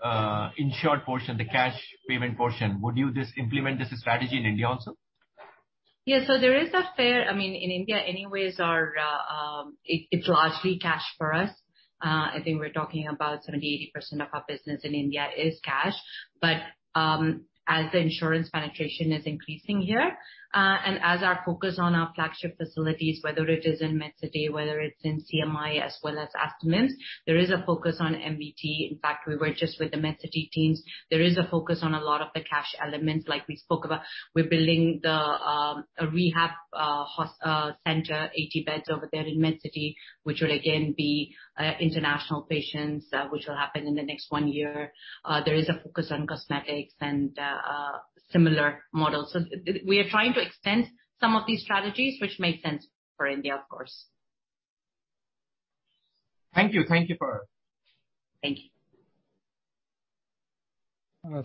K: insured portion, the cash payment portion, would you just implement this strategy in India also?
D: Yeah. There is a fair I mean, in India anyways our, It's largely cash for us. I think we're talking about 70%-80% of our business in India is cash. But, as the insurance penetration is increasing here, and as our focus on our flagship facilities, whether it is in Medcity, whether it's in CMI as well as Aster MIMS, there is a focus on MVT. In fact, we were just with the Medcity teams. There is a focus on a lot of the cash elements, like we spoke about. We're building a rehab center, 80 beds over there in Medcity, which will again be international patients, which will happen in the next one year. There is a focus on cosmetics and similar models. We are trying to extend some of these strategies which make sense for India, of course.
K: Thank you.
D: Thank you.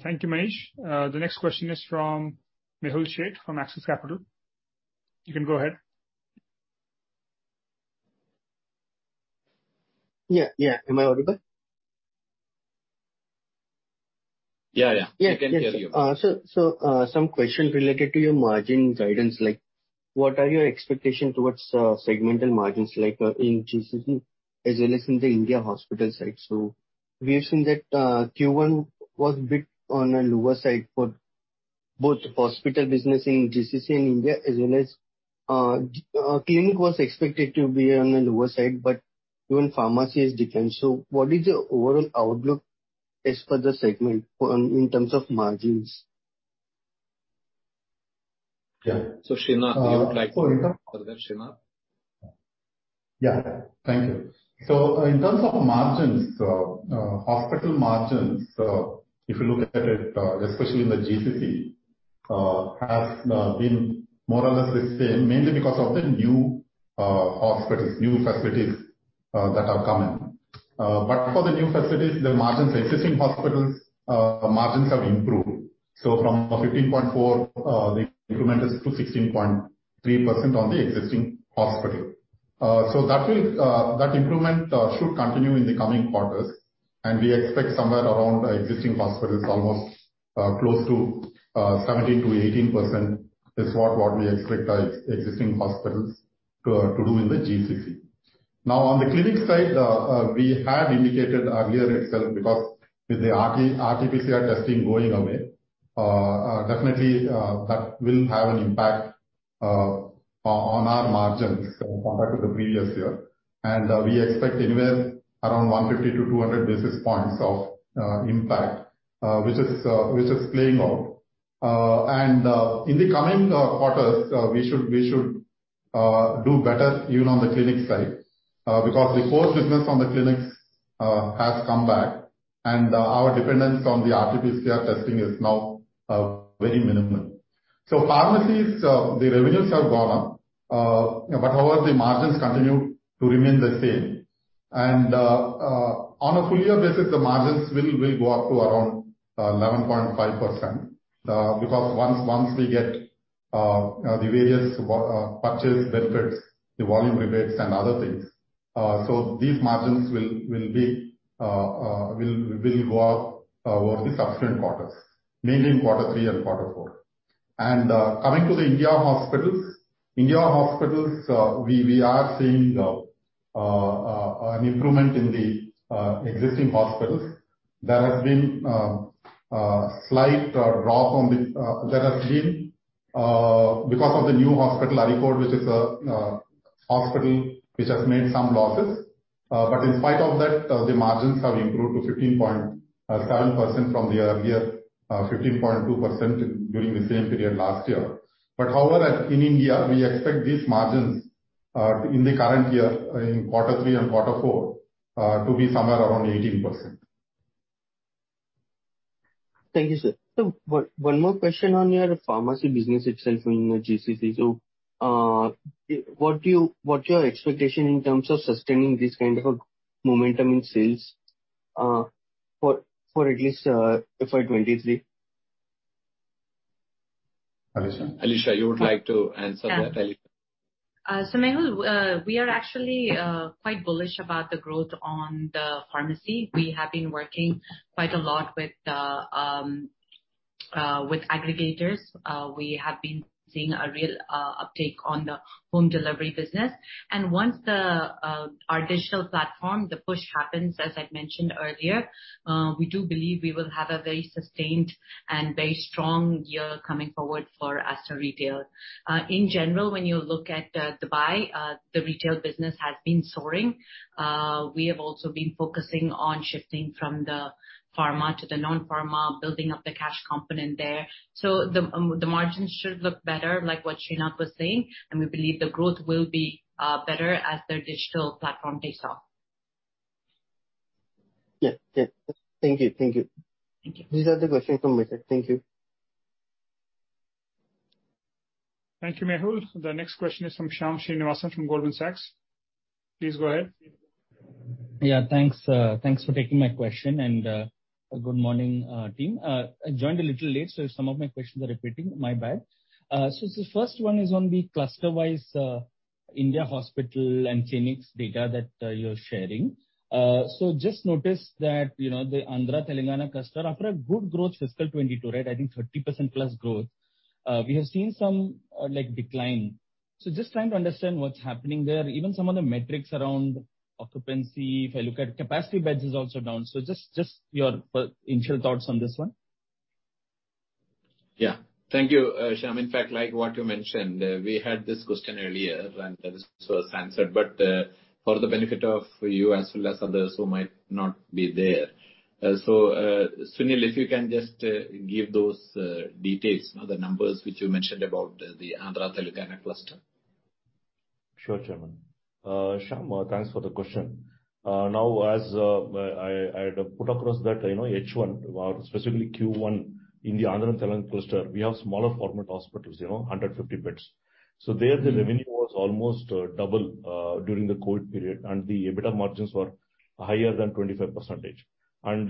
A: Thank you, Manish. The next question is from Mehul Sheth from Axis Capital. You can go ahead.
L: Yeah, yeah. Am I audible?
A: Yeah, yeah.
L: Yeah. Yes, sir.
A: We can hear you.
L: Some question related to your margin guidance. Like what are your expectation towards segmental margins, like, in GCC as well as in the India hospital side? We have seen that Q1 was bit on a lower side for both hospital business in GCC and India, as well as clinic was expected to be on a lower side, but even pharmacy has declined. What is your overall outlook as per the segment in terms of margins?
A: Yeah. Srinath Reddy, would you like to answer that, Srinath Reddy?
E: Yeah. Thank you. In terms of margins, hospital margins, if you look at it, especially in the GCC, has been more or less the same, mainly because of the new hospitals, new facilities that have come in. But for the new facilities, the margins, existing hospitals margins have improved. From 15.4%, the improvement is to 16.3% on the existing hospital. That improvement should continue in the coming quarters, and we expect somewhere around existing hospitals, almost close to 17%-18% is what we expect existing hospitals to do in the GCC. Now, on the clinic side, we had indicated earlier itself because with the RT-PCR testing going away, definitely, that will have an impact on our margins compared to the previous year. We expect anywhere around 150-200 basis points of impact, which is playing out. In the coming quarters, we should do better even on the clinic side, because the core business on the clinics has come back and our dependence on the RT-PCR testing is now very minimal. Pharmacies, the revenues have gone up. However, the margins continue to remain the same. On a full year basis, the margins will go up to around 11.5%, because once we get the various purchase benefits, the volume rebates and other things, so these margins will go up over the subsequent quarters, mainly in quarter three and quarter four. Coming to the India hospitals. India hospitals, we are seeing an improvement in the existing hospitals. There has been a slight drop because of the new hospital, Areekode, which has made some losses. In spite of that, the margins have improved to 15.7% from the earlier 15.2% during the same period last year. In India, we expect these margins in the current year, in quarter three and quarter four, to be somewhere around 18%.
L: Thank you, sir. One more question on your pharmacy business itself in the GCC. What's your expectation in terms of sustaining this kind of a momentum in sales for at least FY23?
E: Okay.
B: Alisha, you would like to answer that, Alisha?
D: Mehul, we are actually quite bullish about the growth on the pharmacy. We have been working quite a lot with aggregators, we have been seeing a real uptake on the home delivery business. Once our digital platform push happens, as I mentioned earlier, we do believe we will have a very sustained and very strong year coming forward for Aster Retail. In general, when you look at Dubai, the retail business has been soaring. We have also been focusing on shifting from the pharma to the non-pharma, building up the cash component there. The margins should look better, like what Sreenath was saying, and we believe the growth will be better as their digital platform takes off.
L: Yeah. Yeah. Thank you. Thank you.
D: Thank you.
L: These are the questions from my side. Thank you.
A: Thank you, Mehul. The next question is from Shyam Srinivasan from Goldman Sachs. Please go ahead.
C: Yeah, thanks. Thanks for taking my question, and good morning, team. I joined a little late, so if some of my questions are repeating, my bad. The first one is on the cluster-wise India hospital and clinics data that you're sharing. Just noticed that, you know, the Andhra Telangana cluster, after a good growth fiscal 2022, right, I think 30% plus growth, we have seen some like decline. Just trying to understand what's happening there. Even some of the metrics around occupancy. If I look at capacity beds is also down. Just your initial thoughts on this one.
D: Yeah. Thank you, Shyam. In fact, like what you mentioned, we had this question earlier and this was answered, but, for the benefit of you as well as others who might not be there. Sunil, if you can just give those details, you know, the numbers which you mentioned about the Andhra Telangana cluster.
H: Sure, Shyam. Thanks for the question. Now, I'd put across that, you know, H1 or specifically Q1 in the Andhra and Telangana cluster, we have smaller format hospitals, you know, 150 beds. There the revenue was almost double during the COVID period, and the EBITDA margins were higher than 25%.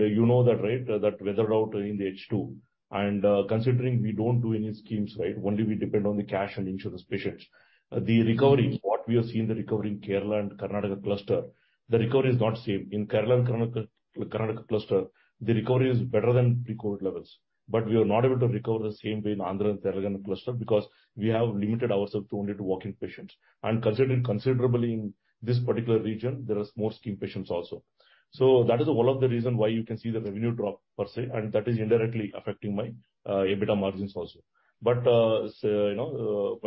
H: You know that, right, that weathered out in the H2. Considering we don't do any schemes, right, only we depend on the cash and insurance patients. The recovery what we are seeing in the Kerala and Karnataka cluster, the recovery is not the same. In the Kerala and Karnataka cluster, the recovery is better than pre-COVID levels. We are not able to recover the same way in the Andhra and Telangana cluster because we have limited ourselves to only walk-in patients. Considering considerably in this particular region, there is more scheme patients also. That is all of the reason why you can see the revenue drop per se, and that is indirectly affecting my EBITDA margins also. So you know,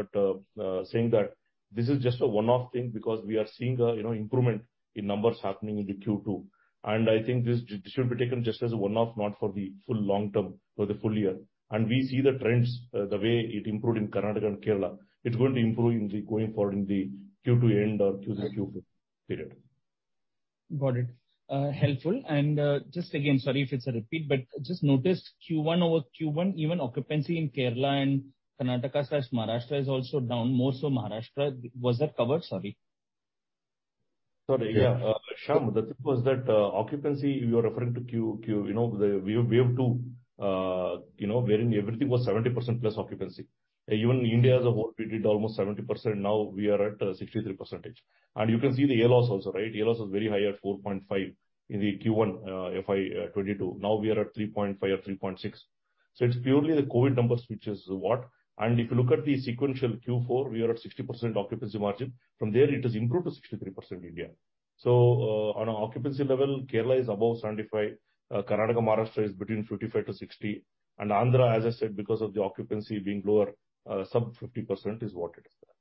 H: saying that this is just a one-off thing because we are seeing a you know, improvement in numbers happening in the Q2. I think this should be taken just as a one-off, not for the full long term, for the full year. We see the trends the way it improved in Karnataka and Kerala, it's going to improve in the going forward in the Q2 end or Q3, Q4 period.
C: Got it. Helpful. Just again, sorry if it's a repeat, but just noticed Q1 over Q1, even occupancy in Kerala and Karnataka / Maharashtra is also down, more so Maharashtra. Was that covered? Sorry.
H: Sorry. Yeah. Shyam, the thing was that, occupancy you are referring to Q2, you know, the wave two, wherein everything was 70% plus occupancy. Even India as a whole, we did almost 70%. Now we are at 63%. You can see the ALOS also, right? ALOS is very high at 4.5 in the Q1, FY 2022. Now we are at 3.5, 3.6. It's purely the COVID numbers which is what. If you look at the sequential Q4, we are at 60% occupancy margin. From there it is improved to 63% India. On a occupancy level, Kerala is above 75%. Karnataka, Maharashtra is between 55%-60%. Andhra, as I said, because of the occupancy being lower, sub 50% is what it is there.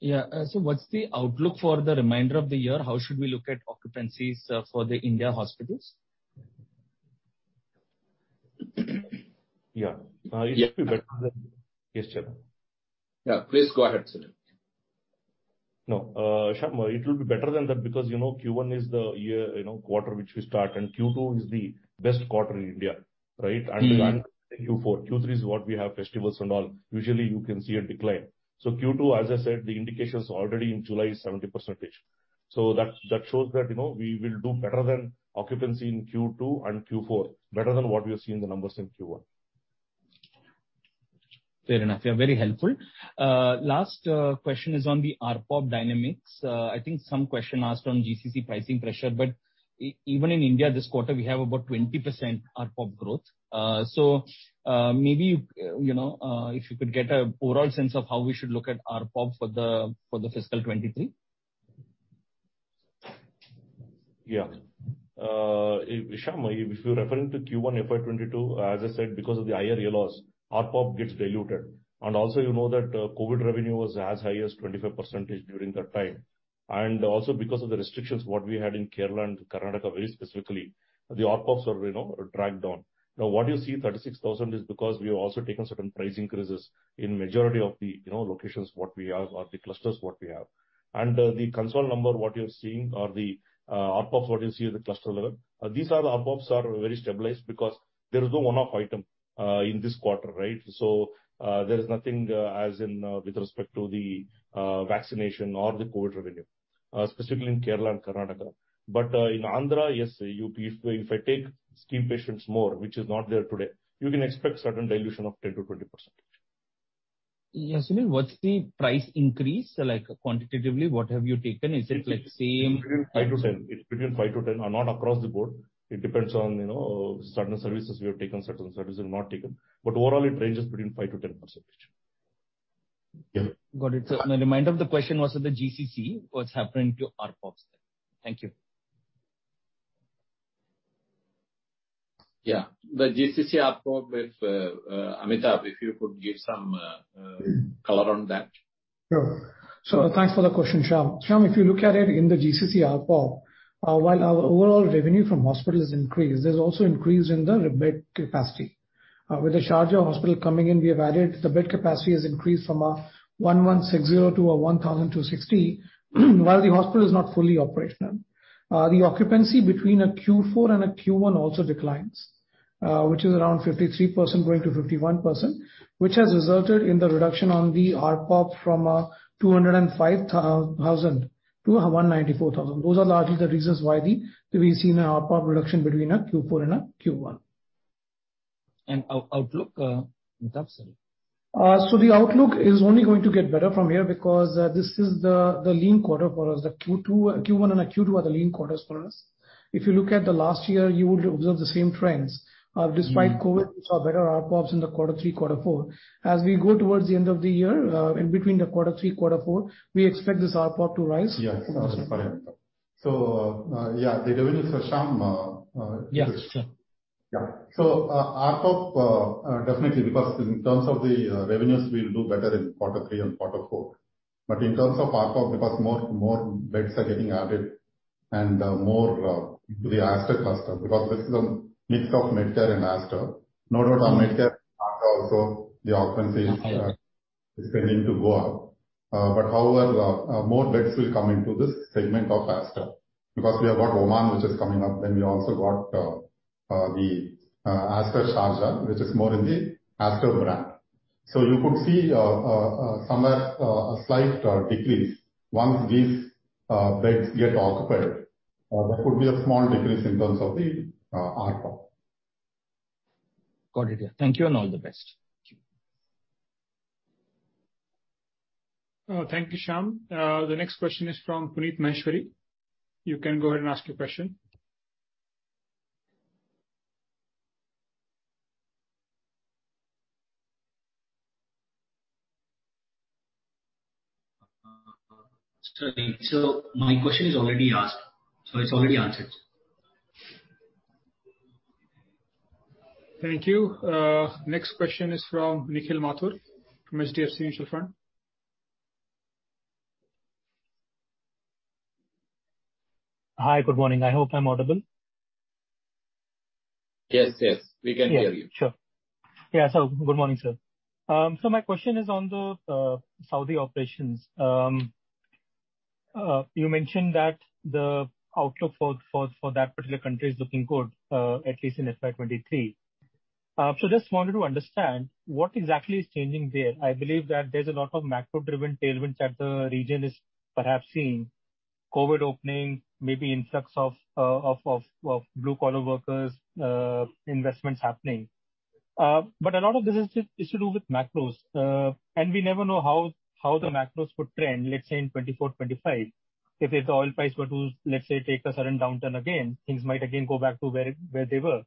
C: Yeah. What's the outlook for the remainder of the year? How should we look at occupancies for the India hospitals?
H: Yeah. It will be better than.
C: Yeah.
H: Yes, Shyam Srinivasan.
D: Yeah, please go ahead, Sunil.
H: No. Shyam, it will be better than that because, you know, Q1 is the year, you know, quarter which we start, and Q2 is the best quarter in India, right?
C: Mm-hmm.
H: Q4. Q3 is what we have festivals and all. Usually you can see a decline. Q2, as I said, the indications already in July is 70%. That shows that, you know, we will do better than occupancy in Q2 and Q4, better than what we have seen the numbers in Q1.
C: Fair enough. Yeah, very helpful. Last question is on the ARPOP dynamics. I think some question asked on GCC pricing pressure, but even in India this quarter, we have about 20% ARPOP growth. So, maybe you know, if you could get a overall sense of how we should look at ARPOP for the fiscal 2023.
H: Yeah. Shyam, if you're referring to Q1 FY22, as I said, because of the higher ALOS, ARPOP gets diluted. Also you know that, COVID revenue was as high as 25% during that time. Also because of the restrictions what we had in Kerala and Karnataka very specifically, the ARPOPs were, you know, dragged down. Now, what you see, 36,000, is because we have also taken certain price increases in majority of the, you know, locations what we have or the clusters what we have. The consolidated number what you're seeing or the, ARPOP what you see at the cluster level, these are the ARPOPs are very stabilized because there is no one-off item, in this quarter, right? There is nothing as in with respect to the vaccination or the COVID revenue specifically in Kerala and Karnataka. In Andhra, yes, you, if I take scheme patients more, which is not there today, you can expect certain dilution of 10%-20%.
C: Yes, Sunil. What's the price increase? Like, quantitatively, what have you taken? Is it like same-
H: It's between 5%-%10. Not across the board. It depends on, you know, certain services we have taken, certain services we've not taken. Overall it ranges between 5%-10%. Yeah.
C: Got it. The remainder of the question was on the GCC. What's happening to RPOBs there? Thank you.
E: Yeah. The GCC RPOB, Amitabh, if you could give some color on that.
J: Sure. Thanks for the question, Shyam. Shyam, if you look at it in the GCC RPOB, while our overall revenue from hospitals increased, there's also increase in the bed capacity. With the Sharjah Hospital coming in, the bed capacity has increased from 1,160 to 1,260 while the hospital is not fully operational. The occupancy between a Q4 and a Q1 also declines, which is around 53% going to 51%, which has resulted in the reduction on the RPOB from $205 thousand to $194 thousand. Those are largely the reasons why we've seen an RPOB reduction between a Q4 and a Q1.
C: Outlook, Amitabh, sorry.
J: The outlook is only going to get better from here because this is the lean quarter for us. The Q1 and Q2 are the lean quarters for us. If you look at the last year, you would observe the same trends.
C: Mm-hmm.
J: Despite COVID, we saw better RPOBs in the quarter three, quarter four. As we go towards the end of the year, in between the quarter three, quarter four, we expect this RPOB to rise.
E: Yes. The revenues for Shyam.
C: Yes, sure.
E: RPOB definitely because in terms of the revenues, we'll do better in quarter three and quarter four. In terms of RPOB, because more beds are getting added and more the Aster cluster, because this is a mix of Medcare and Aster. Not only Medcare, Aster also, the occupancy is going to go up. However, more beds will come into this segment of Aster, because we have got Oman which is coming up, then we also got the Aster Sharjah, which is more in the Aster brand. You could see somewhere a slight decrease once these beds get occupied. That could be a small decrease in terms of the RPOB.
C: Got it. Yeah. Thank you, and all the best.
J: Thank you.
A: Thank you, Shyam. The next question is from Puneet Maheshwari. You can go ahead and ask your question.
M: My question is already asked, so it's already answered.
A: Thank you. Next question is from Nikhil Mathur from HDFC Mutual Fund.
N: Hi. Good morning. I hope I'm audible.
B: Yes, yes. We can hear you.
N: Yeah, sure. Yeah. Good morning, sir. My question is on the Saudi operations. You mentioned that the outlook for that particular country is looking good, at least in FY 2023. Just wanted to understand what exactly is changing there. I believe that there's a lot of macro-driven tailwinds that the region is perhaps seeing. COVID opening, maybe influx of blue collar workers, investments happening. But a lot of this is to do with macros. We never know how the macros could trend, let's say in 2024/2025. If oil prices were to, let's say, take a certain downturn again, things might again go back to where they were.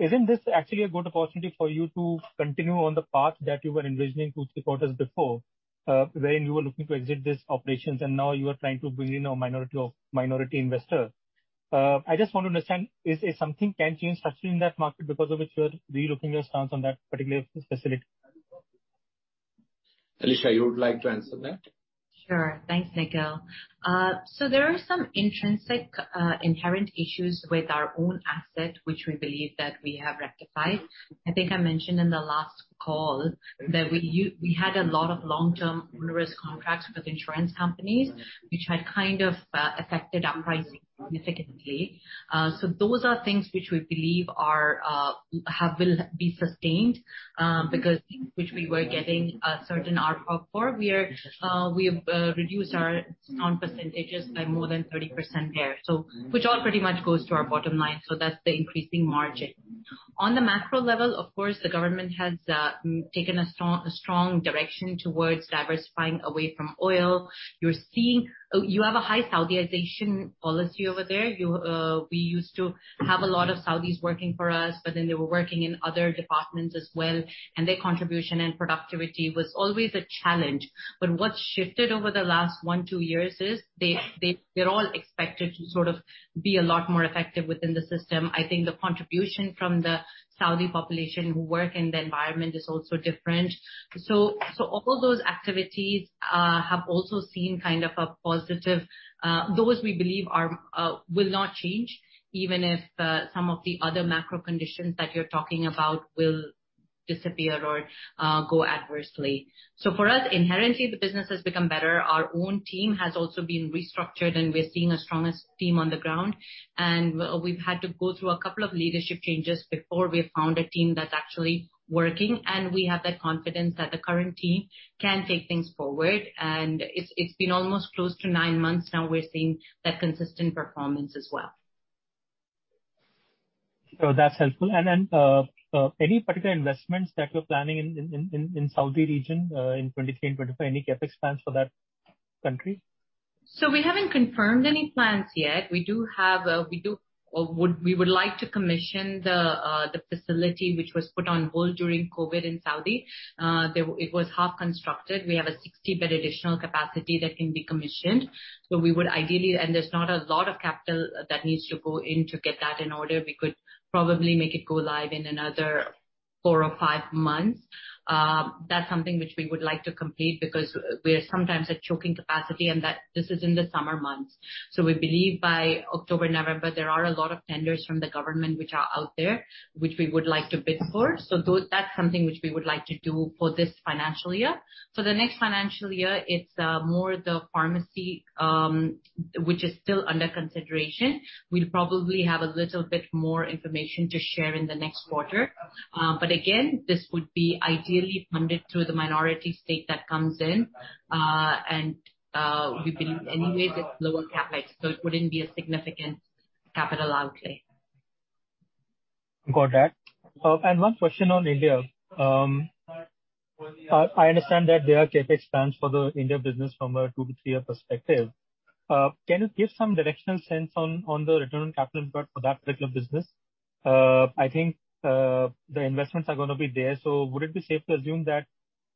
N: Isn't this actually a good opportunity for you to continue on the path that you were envisioning two, three quarters before, wherein you were looking to exit these operations and now you are trying to bring in a minority non-controlling investor? I just want to understand, is something tangible in that market because of which you are relooking your stance on that particular facility?
B: Alisha, you would like to answer that?
D: Sure. Thanks, Nikhil. There are some intrinsic, inherent issues with our own asset, which we believe that we have rectified. I think I mentioned in the last call that we had a lot of long-term risk contracts with insurance companies, which had kind of affected our pricing significantly. Those are things which we believe will be sustained, because things which we were getting a certain RPOB for, we've reduced our non-pay percentages by more than 30% there. Which all pretty much goes to our bottom line. That's the increasing margin. On the macro level, of course, the government has taken a strong direction towards diversifying away from oil. You're seeing. You have a high Saudization policy over there. You, We used to have a lot of Saudis working for us, but then they were working in other departments as well, and their contribution and productivity was always a challenge. What's shifted over the last one, two years is they're all expected to sort of be a lot more effective within the system. I think the contribution from the Saudi population who work in the environment is also different. All those activities have also seen kind of a positive. Those we believe are will not change even if some of the other macro conditions that you're talking about will disappear or go adversely. For us, inherently, the business has become better. Our own team has also been restructured, and we're seeing a stronger team on the ground. We've had to go through a couple of leadership changes before we found a team that's actually working, and we have that confidence that the current team can take things forward. It's been almost close to nine months now, we're seeing that consistent performance as well.
N: That's helpful. Any particular investments that you're planning in Saudi region in 2023 and 2024? Any CapEx plans for that country?
D: We haven't confirmed any plans yet. We have. We would like to commission the facility which was put on hold during COVID in Saudi. It was half constructed. We have a 60-bed additional capacity that can be commissioned. We would ideally. There's not a lot of capital that needs to go in to get that in order. We could probably make it go live in another four or five months. That's something which we would like to complete because we are sometimes at choking capacity, and that this is in the summer months. We believe by October, November, there are a lot of tenders from the government which are out there, which we would like to bid for. Those, that's something which we would like to do for this financial year. For the next financial year, it's more the pharmacy, which is still under consideration. We'll probably have a little bit more information to share in the next quarter. Again, this would be ideally funded through the minority stake that comes in. We believe anyways it's low on CapEx, so it wouldn't be a significant capital outlay.
N: Got that. One question on India. I understand that there are CapEx plans for the India business from a two- to three-year perspective. Can you give some directional sense on the return on capital employed for that particular business? I think the investments are gonna be there, so would it be safe to assume that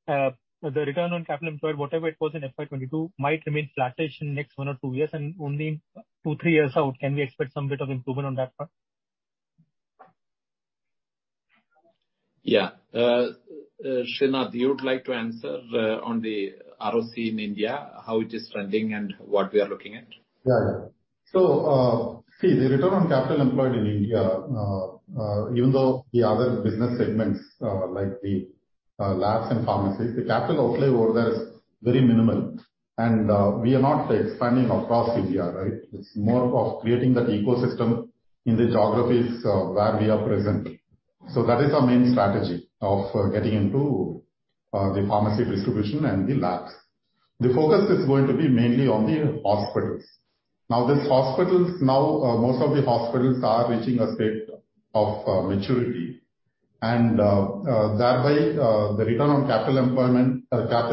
N: the return on capital employed, whatever it was in FY 2022, might remain flat-ish in the next one or two years, and only two, three years out can we expect some bit of improvement on that front?
B: Yeah. Sreenath, you would like to answer on the ROCE in India, how it is trending and what we are looking at?
E: Yeah. See, the return on capital employed in India, even though the other business segments, like the labs and pharmacies, the capital outlay over there is very minimal. We are not expanding across India, right? It's more of creating that ecosystem in the geographies where we are present. That is our main strategy of getting into the pharmacy distribution and the labs. The focus is going to be mainly on the hospitals. These hospitals, most of the hospitals are reaching a state of maturity. That way, the return on capital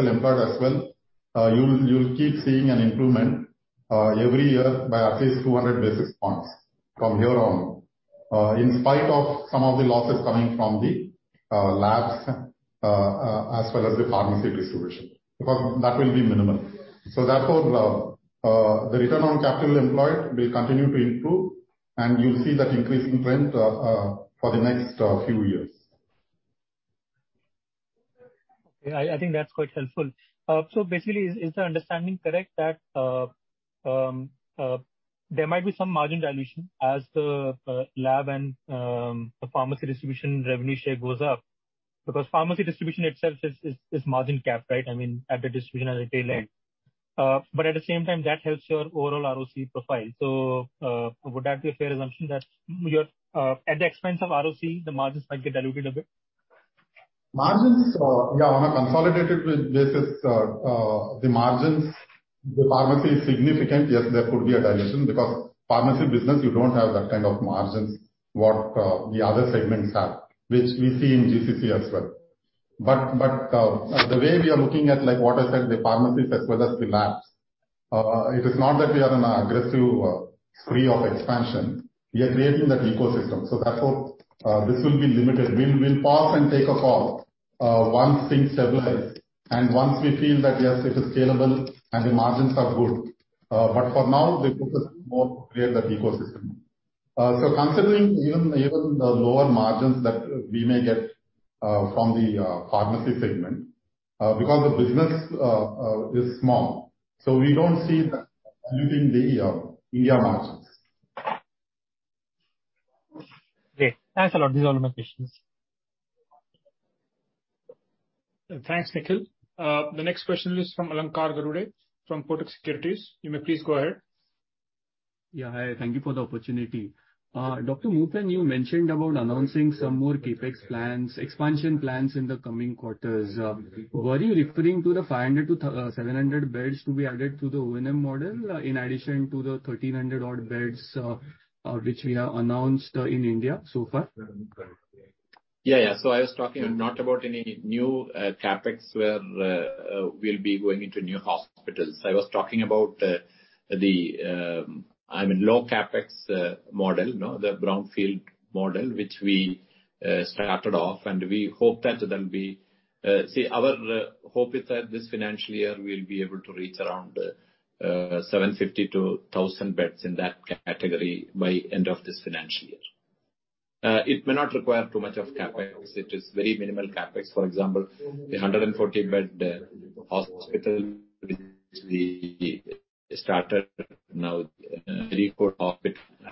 E: employed as well, you'll keep seeing an improvement every year by at least 200 basis points from here on, in spite of some of the losses coming from the labs as well as the pharmacy distribution. Because that will be minimal, the return on capital employed will continue to improve and you'll see that increasing trend for the next few years.
N: Yeah, I think that's quite helpful. Basically, is the understanding correct that there might be some margin dilution as the lab and the pharmacy distribution revenue share goes up? Because pharmacy distribution itself is margin capped, right? I mean, at the distribution and retail end. At the same time, that helps your overall ROCE profile. Would that be a fair assumption that, at the expense of ROCE, the margins might get diluted a bit?
E: Margins on a consolidated basis, the margins. The pharmacy is significant. Yes, there could be a dilution because pharmacy business you don't have that kind of margins what the other segments have, which we see in GCC as well. The way we are looking at, like, Waterstone, the pharmacies as well as the labs, it is not that we are on an aggressive spree of expansion. We are creating that ecosystem. Therefore, this will be limited. We'll pause and take a call once things stabilize and once we feel that, yes, it is scalable and the margins are good. For now the focus is more to create that ecosystem. Considering even the lower margins that we may get from the pharmacy segment, because the business is small, so we don't see that diluting the India margins.
N: Great. Thanks a lot. These are all my questions.
A: Thanks, Nikhil. The next question is from Alankar Garude, from Kotak Securities. You may please go ahead.
O: Yeah. Hi. Thank you for the opportunity. Dr. Azad Moopen, you mentioned about announcing some more CapEx plans, expansion plans in the coming quarters. Were you referring to the 500-700 beds to be added to the O&M model in addition to the 1,300-odd beds which we have announced in India so far?
B: Yeah, yeah. I was talking not about any new CapEx where we'll be going into new hospitals. I was talking about the, I mean, low CapEx model. No? The brownfield model which we started off, and we hope that there'll be. See, our hope is that this financial year we'll be able to reach around 750-1,000 beds in that category by end of this financial year. It may not require too much of CapEx. It is very minimal CapEx. For example, the 140-bed hospital which we started now, Areekode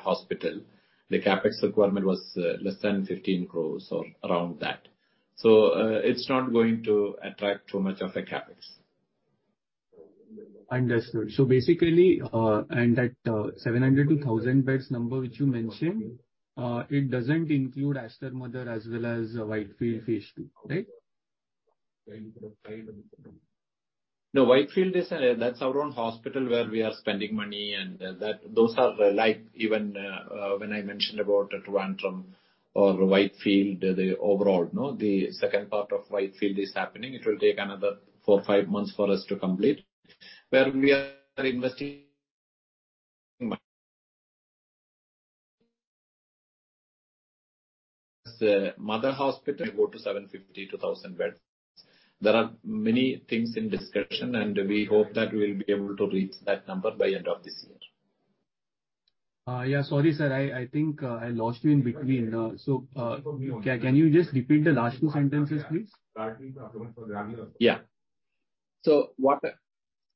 B: Hospital, the CapEx requirement was less than 15 crore or around that. It's not going to attract too much of a CapEx.
O: Understood. Basically, and that 700-1,000 beds number which you mentioned, it doesn't include Aster Mother as well as Whitefield phase 2, right?
B: No, Whitefield is that's our own hospital where we are spending money and when I mentioned about Trivandrum or Whitefield. No, the second part of Whitefield is happening. It will take another four-five months for us to complete. Where we are investing as a mother hospital, it go to 750-1,000 beds. There are many things in discussion, and we hope that we'll be able to reach that number by end of this year.
O: Yeah, sorry, sir, I think I lost you in between. Can you just repeat the last two sentences, please?
B: Yeah. What,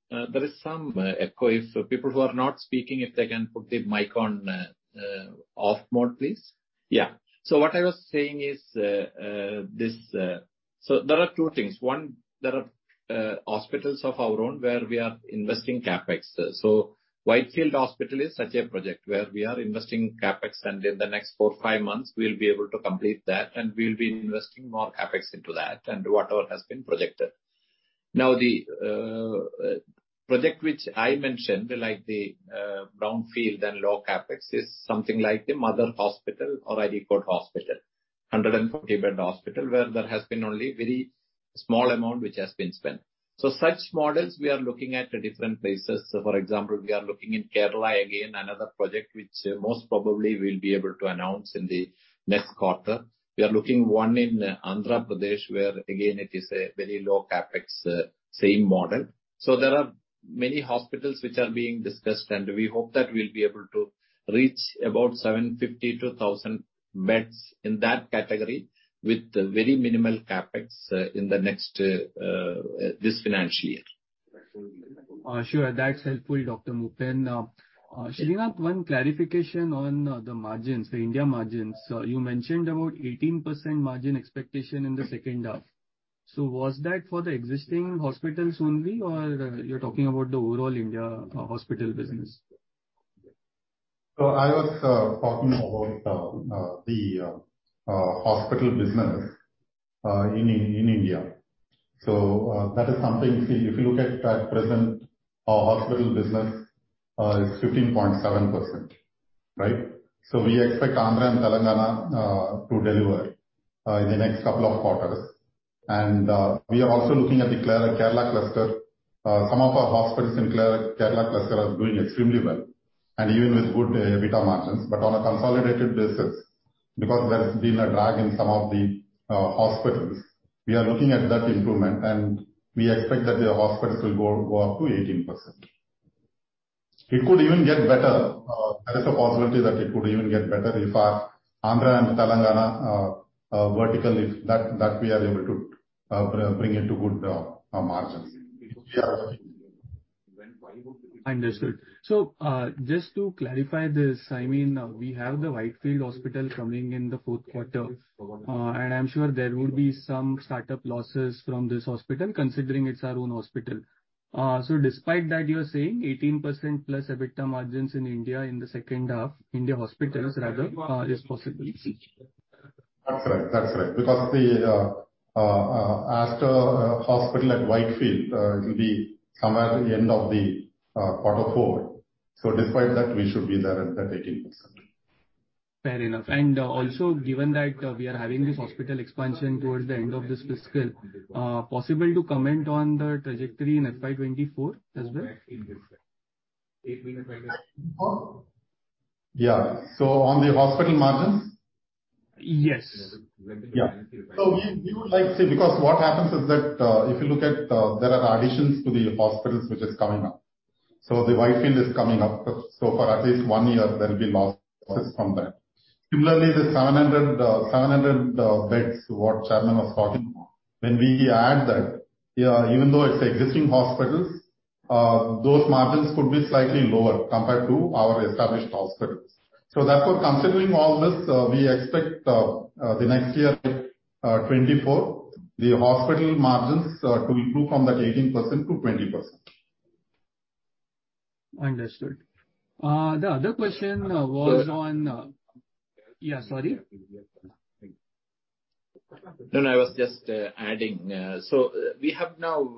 B: there is some echo. If people who are not speaking, if they can put their mic on off mode, please. Yeah. What I was saying is, there are two things. One, there are hospitals of our own where we are investing CapEx. Whitefield Hospital is such a project where we are investing CapEx, and in the next four-five months we'll be able to complete that, and we'll be investing more CapEx into that and whatever has been projected. Now, the project which I mentioned, like the brownfield and low CapEx, is something like the Mother Hospital or Areekode Hospital, 140-bed hospital, where there has been only very small amount which has been spent. Such models we are looking at different places. For example, we are looking in Kerala again, another project which most probably we'll be able to announce in the next quarter. We are looking one in Andhra Pradesh, where again it is a very low CapEx, same model. There are many hospitals which are being discussed, and we hope that we'll be able to reach about 750-1,000 beds in that category with very minimal CapEx in the next, this financial year.
O: Sure. That's helpful, Dr. Azad Moopen. Sreenath, one clarification on the margins, the India margins. You mentioned about 18% margin expectation in the second half. Was that for the existing hospitals only, or you're talking about the overall India hospital business?
E: I was talking about the hospital business in India. That is something, if you look at present, our hospital business is 15.7%, right? We expect Andhra and Telangana to deliver in the next couple of quarters. We are also looking at the Kerala cluster. Some of our hospitals in Kerala cluster are doing extremely well, and even with good EBITDA margins. On a consolidated basis, because there's been a drag in some of the hospitals, we are looking at that improvement, and we expect that the hospitals will go up to 18%. It could even get better. There is a possibility that it could even get better if our Andhra and Telangana vertical, if that we are able to bring into good margins. Yeah.
O: Understood. Just to clarify this, I mean, we have the Whitefield Hospital coming in the fourth quarter, and I'm sure there will be some start-up losses from this hospital, considering it's our own hospital. Despite that, you are saying 18%+ EBITDA margins in India in the second half, India hospitals rather, is possible, you see?
E: That's right. The Aster hospital at Whitefield will be somewhere at the end of quarter four. Despite that, we should be there at that 18%.
O: Fair enough. Given that we are having this hospital expansion towards the end of this fiscal, is it possible to comment on the trajectory in FY 2024 as well?
E: Yeah. On the hospital margins?
O: Yes.
E: Yeah. What happens is that, if you look at, there are additions to the hospitals which is coming up. The Whitefield is coming up. For at least one year there will be losses from that. Similarly, the 700 beds what chairman was talking about, when we add that, even though it's existing hospitals, those margins could be slightly lower compared to our established hospitals. Therefore, considering all this, we expect the next year, 2024, the hospital margins to improve from that 18%-20%.
O: Understood. The other question was on. Yeah. Sorry.
B: No, I was just adding. We have now,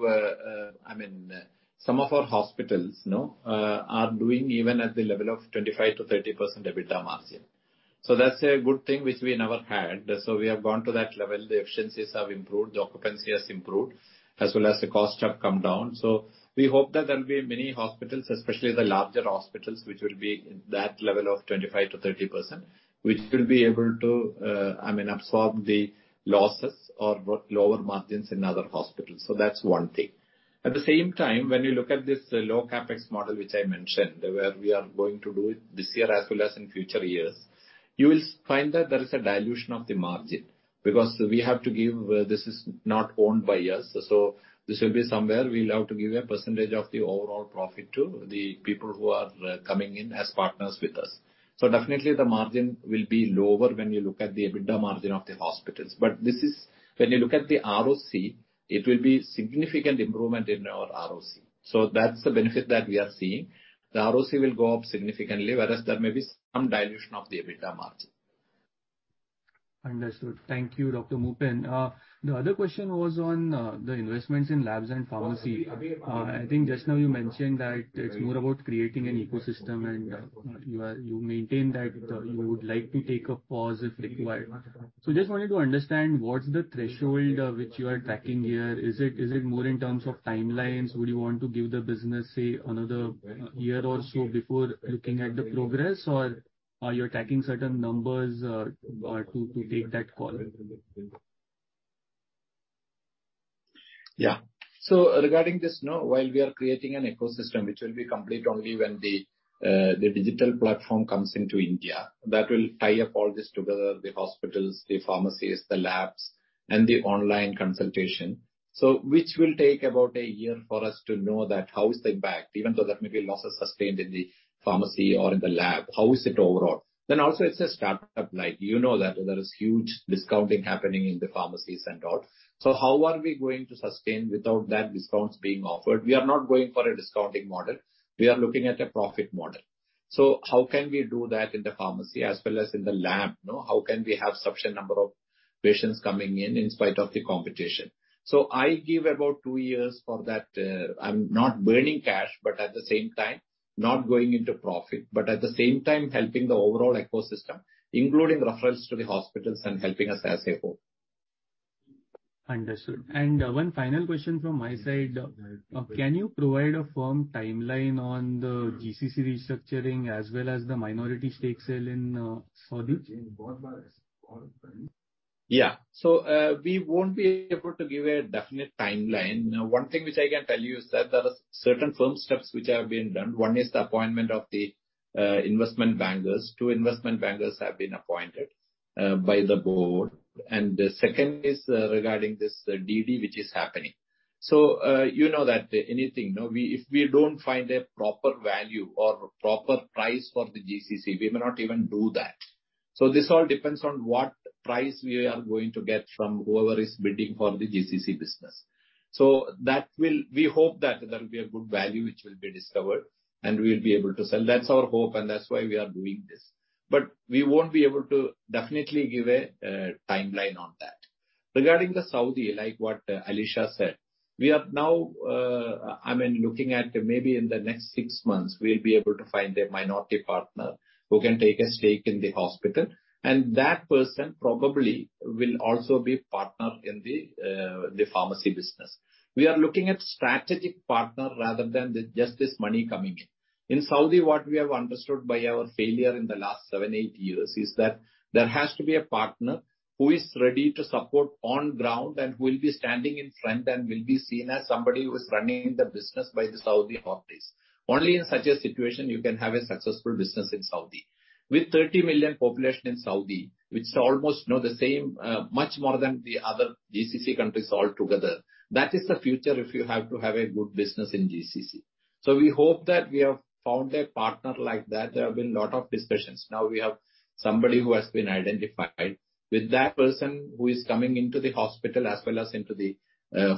B: I mean, some of our hospitals, you know, are doing even at the level of 25%-30% EBITDA margin. That's a good thing which we never had. We have gone to that level. The efficiencies have improved, the occupancy has improved, as well as the costs have come down. We hope that there will be many hospitals, especially the larger hospitals, which will be that level of 25%-30%, which will be able to, I mean, absorb the losses or lower margins in other hospitals. That's one thing. At the same time, when you look at this low CapEx model which I mentioned, where we are going to do it this year as well as in future years, you will find that there is a dilution of the margin because we have to give. This is not owned by us, so this will be somewhere we'll have to give a percentage of the overall profit to the people who are coming in as partners with us. Definitely the margin will be lower when you look at the EBITDA margin of the hospitals. But this is, when you look at the ROC, it will be significant improvement in our ROC. That's the benefit that we are seeing. The ROC will go up significantly, whereas there may be some dilution of the EBITDA margin.
O: Understood. Thank you, Dr. Moopen. The other question was on the investments in labs and pharmacy. I think just now you mentioned that it's more about creating an ecosystem, and you maintain that you would like to take a pause if required. Just wanted to understand what's the threshold which you are tracking here. Is it more in terms of timelines? Would you want to give the business, say, another year or so before looking at the progress? Or are you tracking certain numbers or to take that call?
B: Yeah. Regarding this, you know, while we are creating an ecosystem which will be complete only when the digital platform comes into India, that will tie up all this together, the hospitals, the pharmacies, the labs, and the online consultation. Which will take about a year for us to know that how is the impact, even though there may be losses sustained in the pharmacy or in the lab, how is it overall? Also it's a startup, like, you know that there is huge discounting happening in the pharmacies and all. How are we going to sustain without that discounts being offered? We are not going for a discounting model. We are looking at a profit model. How can we do that in the pharmacy as well as in the lab? You know, how can we have sufficient number of patients coming in spite of the competition? I give about two years for that. I'm not burning cash, but at the same time not going into profit, but at the same time helping the overall ecosystem, including referrals to the hospitals and helping us as a whole.
O: Understood. One final question from my side. Can you provide a firm timeline on the GCC restructuring as well as the minority stake sale in Saudi?
B: Yeah. We won't be able to give a definite timeline. One thing which I can tell you is that there are certain firm steps which have been done. One is the appointment of the investment bankers. Two investment bankers have been appointed by the board. The second is regarding this DD, which is happening. You know that anything, you know, if we don't find a proper value or proper price for the GCC, we may not even do that. This all depends on what price we are going to get from whoever is bidding for the GCC business. That will. We hope that there will be a good value which will be discovered, and we will be able to sell. That's our hope, and that's why we are doing this. We won't be able to definitely give a timeline on that. Regarding the Saudi, like what Alisha said, we are now, I mean, looking at maybe in the next six months, we'll be able to find a minority partner who can take a stake in the hospital. That person probably will also be partner in the pharmacy business. We are looking at strategic partner rather than just the money coming in. In Saudi, what we have understood by our failure in the last seven, eight years is that there has to be a partner who is ready to support on ground and who will be standing in front and will be seen as somebody who is running the business by the Saudi authorities. Only in such a situation you can have a successful business in Saudi. With 30 million population in Saudi, which is almost, you know, the same, much more than the other GCC countries altogether. That is the future if you have to have a good business in GCC. We hope that we have found a partner like that. There have been a lot of discussions. Now we have somebody who has been identified. With that person who is coming into the hospital as well as into the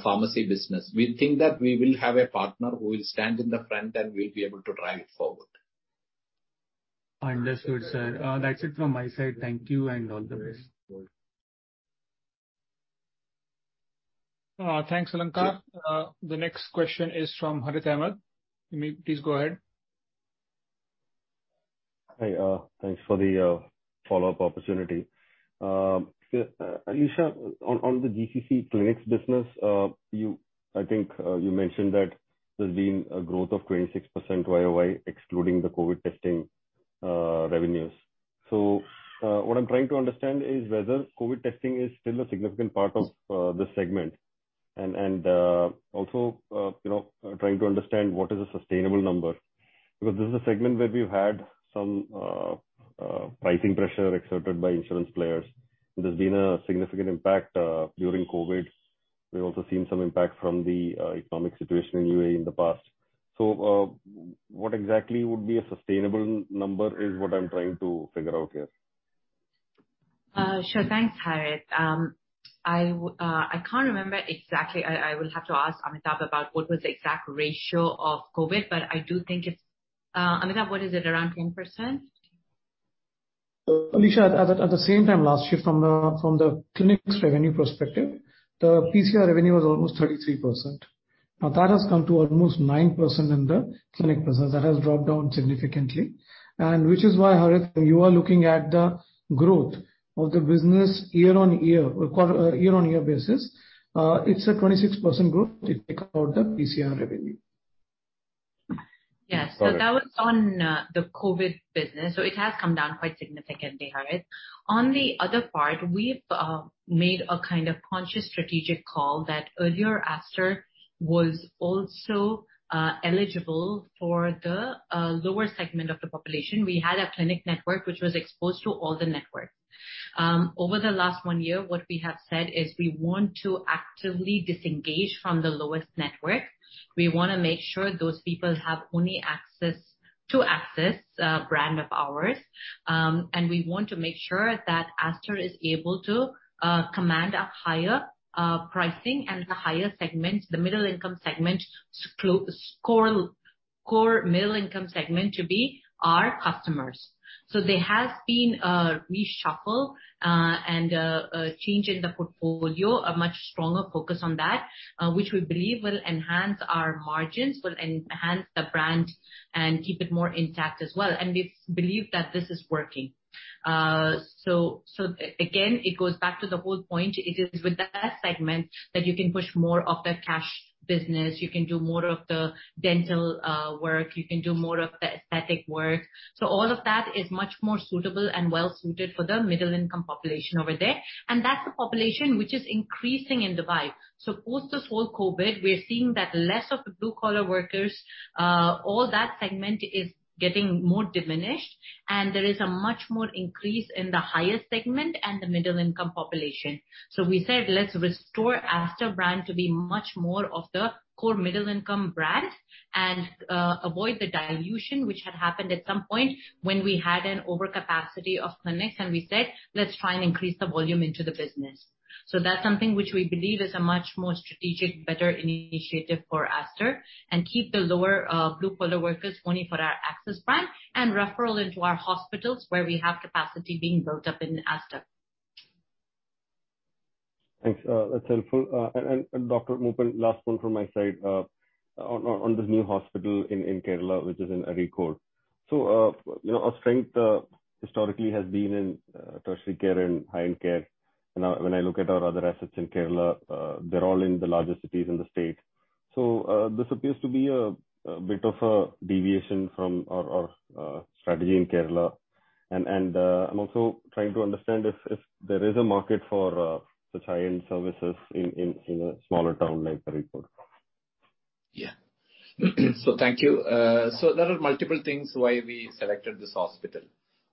B: pharmacy business, we think that we will have a partner who will stand in the front and will be able to drive it forward.
O: Understood, sir. That's it from my side. Thank you, and all the best.
B: Thanks.
A: Thanks, Alankar. The next question is from Harith Ahamed. You may please go ahead.
I: Hi, thanks for the follow-up opportunity. Alisha, on the GCC clinics business, I think you mentioned that there's been a growth of 26% YOY, excluding the COVID testing revenues. What I'm trying to understand is whether COVID testing is still a significant part of the segment, you know, trying to understand what is a sustainable number. Because this is a segment where we've had some pricing pressure exerted by insurance players. There's been a significant impact during COVID. We've also seen some impact from the economic situation in UAE in the past. What exactly would be a sustainable number is what I'm trying to figure out here.
D: Sure. Thanks, Harith. I can't remember exactly. I will have to ask Amitabh about what was the exact ratio of COVID, but I do think it's Amitabh, what is it, around 10%?
J: Alisha, at the same time last year from the clinics revenue perspective, the PCR revenue was almost 33%. Now, that has come to almost 9% in the clinic business. That has dropped down significantly. Which is why, Harith, you are looking at the growth of the business year-over-year basis. It's a 26% growth if you take out the PCR revenue.
D: Yes.
I: Got it.
D: That was on the COVID business. It has come down quite significantly, Harith. On the other part, we've made a kind of conscious strategic call that earlier Aster was also eligible for the lower segment of the population. We had a clinic network which was exposed to all the network. Over the last one year, what we have said is we want to actively disengage from the lowest network. We wanna make sure those people have only access to Access brand of ours. We want to make sure that Aster is able to command a higher pricing and the higher segment, the core middle income segment to be our customers. There has been a reshuffle and a change in the portfolio. A much stronger focus on that, which we believe will enhance our margins, will enhance the brand and keep it more intact as well. We believe that this is working. Again, it goes back to the whole point. It is with that segment that you can push more of the cash business, you can do more of the dental work, you can do more of the aesthetic work. All of that is much more suitable and well-suited for the middle income population over there. That's the population which is increasing in Dubai. Post this whole COVID, we're seeing that less of the blue collar workers, all that segment is getting more diminished and there is a much more increase in the higher segment and the middle income population. We said, let's restore Aster brand to be much more of the core middle income brand and avoid the dilution which had happened at some point when we had an overcapacity of clinics, and we said, "Let's try and increase the volume into the business." That's something which we believe is a much more strategic, better initiative for Aster and keep the lower blue collar workers only for our Access brand and referral into our hospitals where we have capacity being built up in Aster.
I: Thanks. That's helpful. Dr. Azad Moopen, last one from my side. On the new hospital in Kerala, which is in Kozhikode. You know, our strength historically has been in tertiary care and high-end care. When I look at our other assets in Kerala, they're all in the larger cities in the state. This appears to be a bit of a deviation from our strategy in Kerala. I'm also trying to understand if there is a market for such high-end services in a smaller town like Kozhikode.
B: Yeah. Thank you. There are multiple things why we selected this hospital.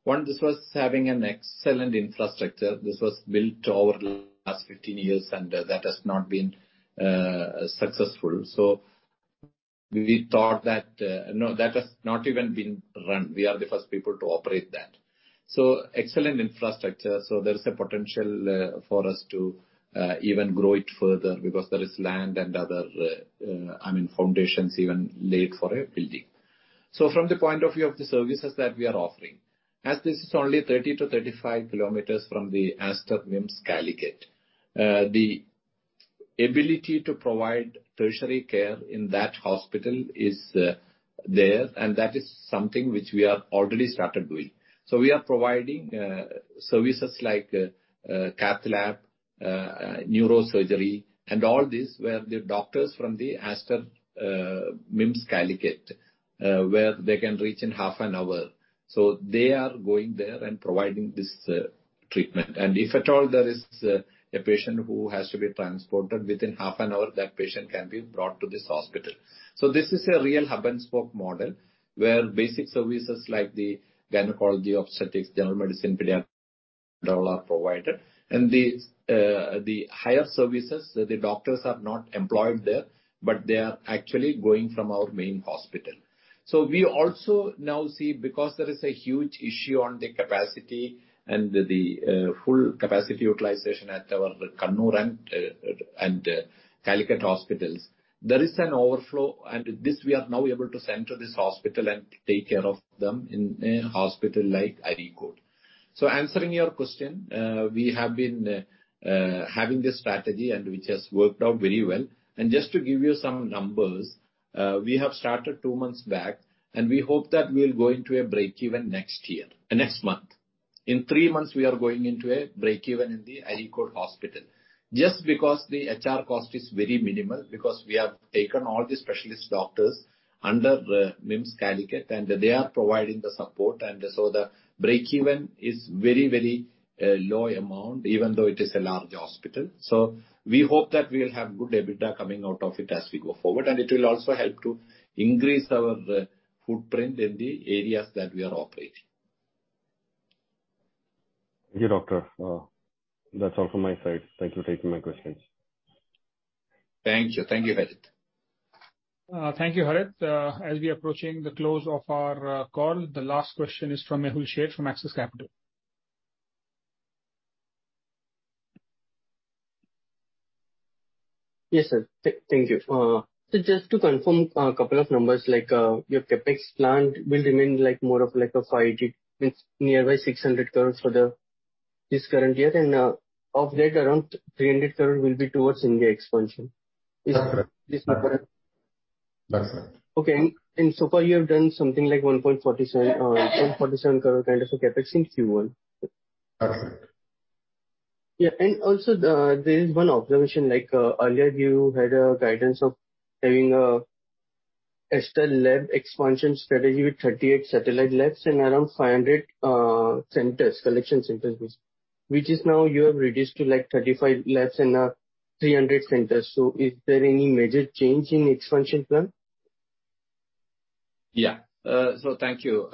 B: One, this was having an excellent infrastructure. This was built over the last 15 years, and that has not been successful. We thought that, no, that has not even been run. We are the first people to operate that. Excellent infrastructure. There is a potential for us to even grow it further because there is land and other, I mean, foundations even laid for a building. From the point of view of the services that we are offering, as this is only 30-35 km from the Aster MIMS Calicut, the ability to provide tertiary care in that hospital is there, and that is something which we have already started doing. We are providing services like cath lab, neurosurgery and all this, where the doctors from the Aster MIMS Calicut can reach in half an hour. They are going there and providing this treatment. If at all there is a patient who has to be transported, within half an hour that patient can be brought to this hospital. This is a real hub-and-spoke model where basic services like the gynecology, obstetrics, general medicine, pediatric, all are provided. The higher services, the doctors are not employed there, but they are actually going from our main hospital. We also now see, because there is a huge issue on the capacity and the full capacity utilization at our Kannur and Calicut hospitals. There is an overflow and this we are now able to send to this hospital and take care of them in a hospital like Kozhikode. Answering your question, we have been having this strategy and which has worked out very well. Just to give you some numbers, we have started two months back, and we hope that we'll go into a break even next year, next month. In three months we are going into a break even in the Kozhikode hospital. Just because the HR cost is very minimal because we have taken all the specialist doctors under MIMS Calicut, and they are providing the support. The break even is very low amount, even though it is a large hospital. We hope that we'll have good EBITDA coming out of it as we go forward, and it will also help to increase our footprint in the areas that we are operating.
I: Thank you, Doctor. That's all from my side. Thank you for taking my questions.
B: Thank you. Thank you, Harith.
A: Thank you, Harith. As we are approaching the close of our call, the last question is from Mehul Sheth from Axis Capital.
L: Yes, sir. Thank you. Just to confirm a couple of numbers, like, your CapEx plan will remain like more of like a 500 crores, means nearly 600 crores for this current year, and, of that around 300 crores will be towards India expansion.
B: That's correct.
L: Is this correct?
B: That's right.
L: Okay. You have done something like 147 crore kind of CapEx in Q1.
B: That's right.
L: Yeah. There is one observation, like, earlier you had a guidance of having an Aster Labs expansion strategy with 38 satellite labs and around 500 centers, collection centers which is now you have reduced to like 35 labs and 300 centers. Is there any major change in expansion plan?
B: Yeah. Thank you.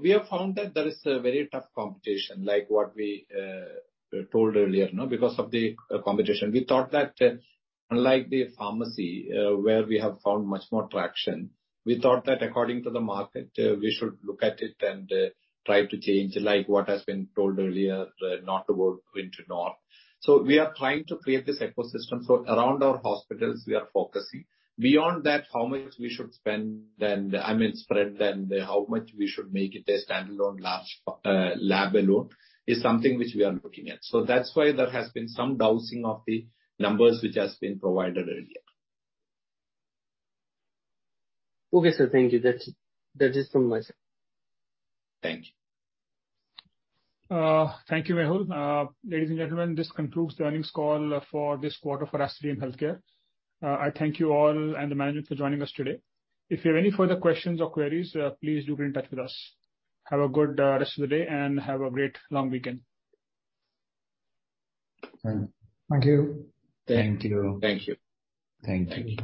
B: We have found that there is a very tough competition, like what we told earlier, you know, because of the competition. We thought that unlike the pharmacy, where we have found much more traction, we thought that according to the market, we should look at it and try to change, like what has been told earlier, not to go into north. We are trying to create this ecosystem. Around our hospitals we are focusing. Beyond that, how much we should spend and, I mean, spread and how much we should make it a standalone large lab alone is something which we are looking at. That's why there has been some downgrading of the numbers which has been provided earlier.
L: Okay, sir. Thank you. That is from my side.
B: Thank you.
D: Thank you, Mehul. Ladies and gentlemen, this concludes the earnings call for this quarter for Aster DM Healthcare. I thank you all and the management for joining us today. If you have any further questions or queries, please do get in touch with us. Have a good rest of the day and have a great long weekend.
L: Thank you.
B: Thank you.
D: Thank you.
B: Thank you.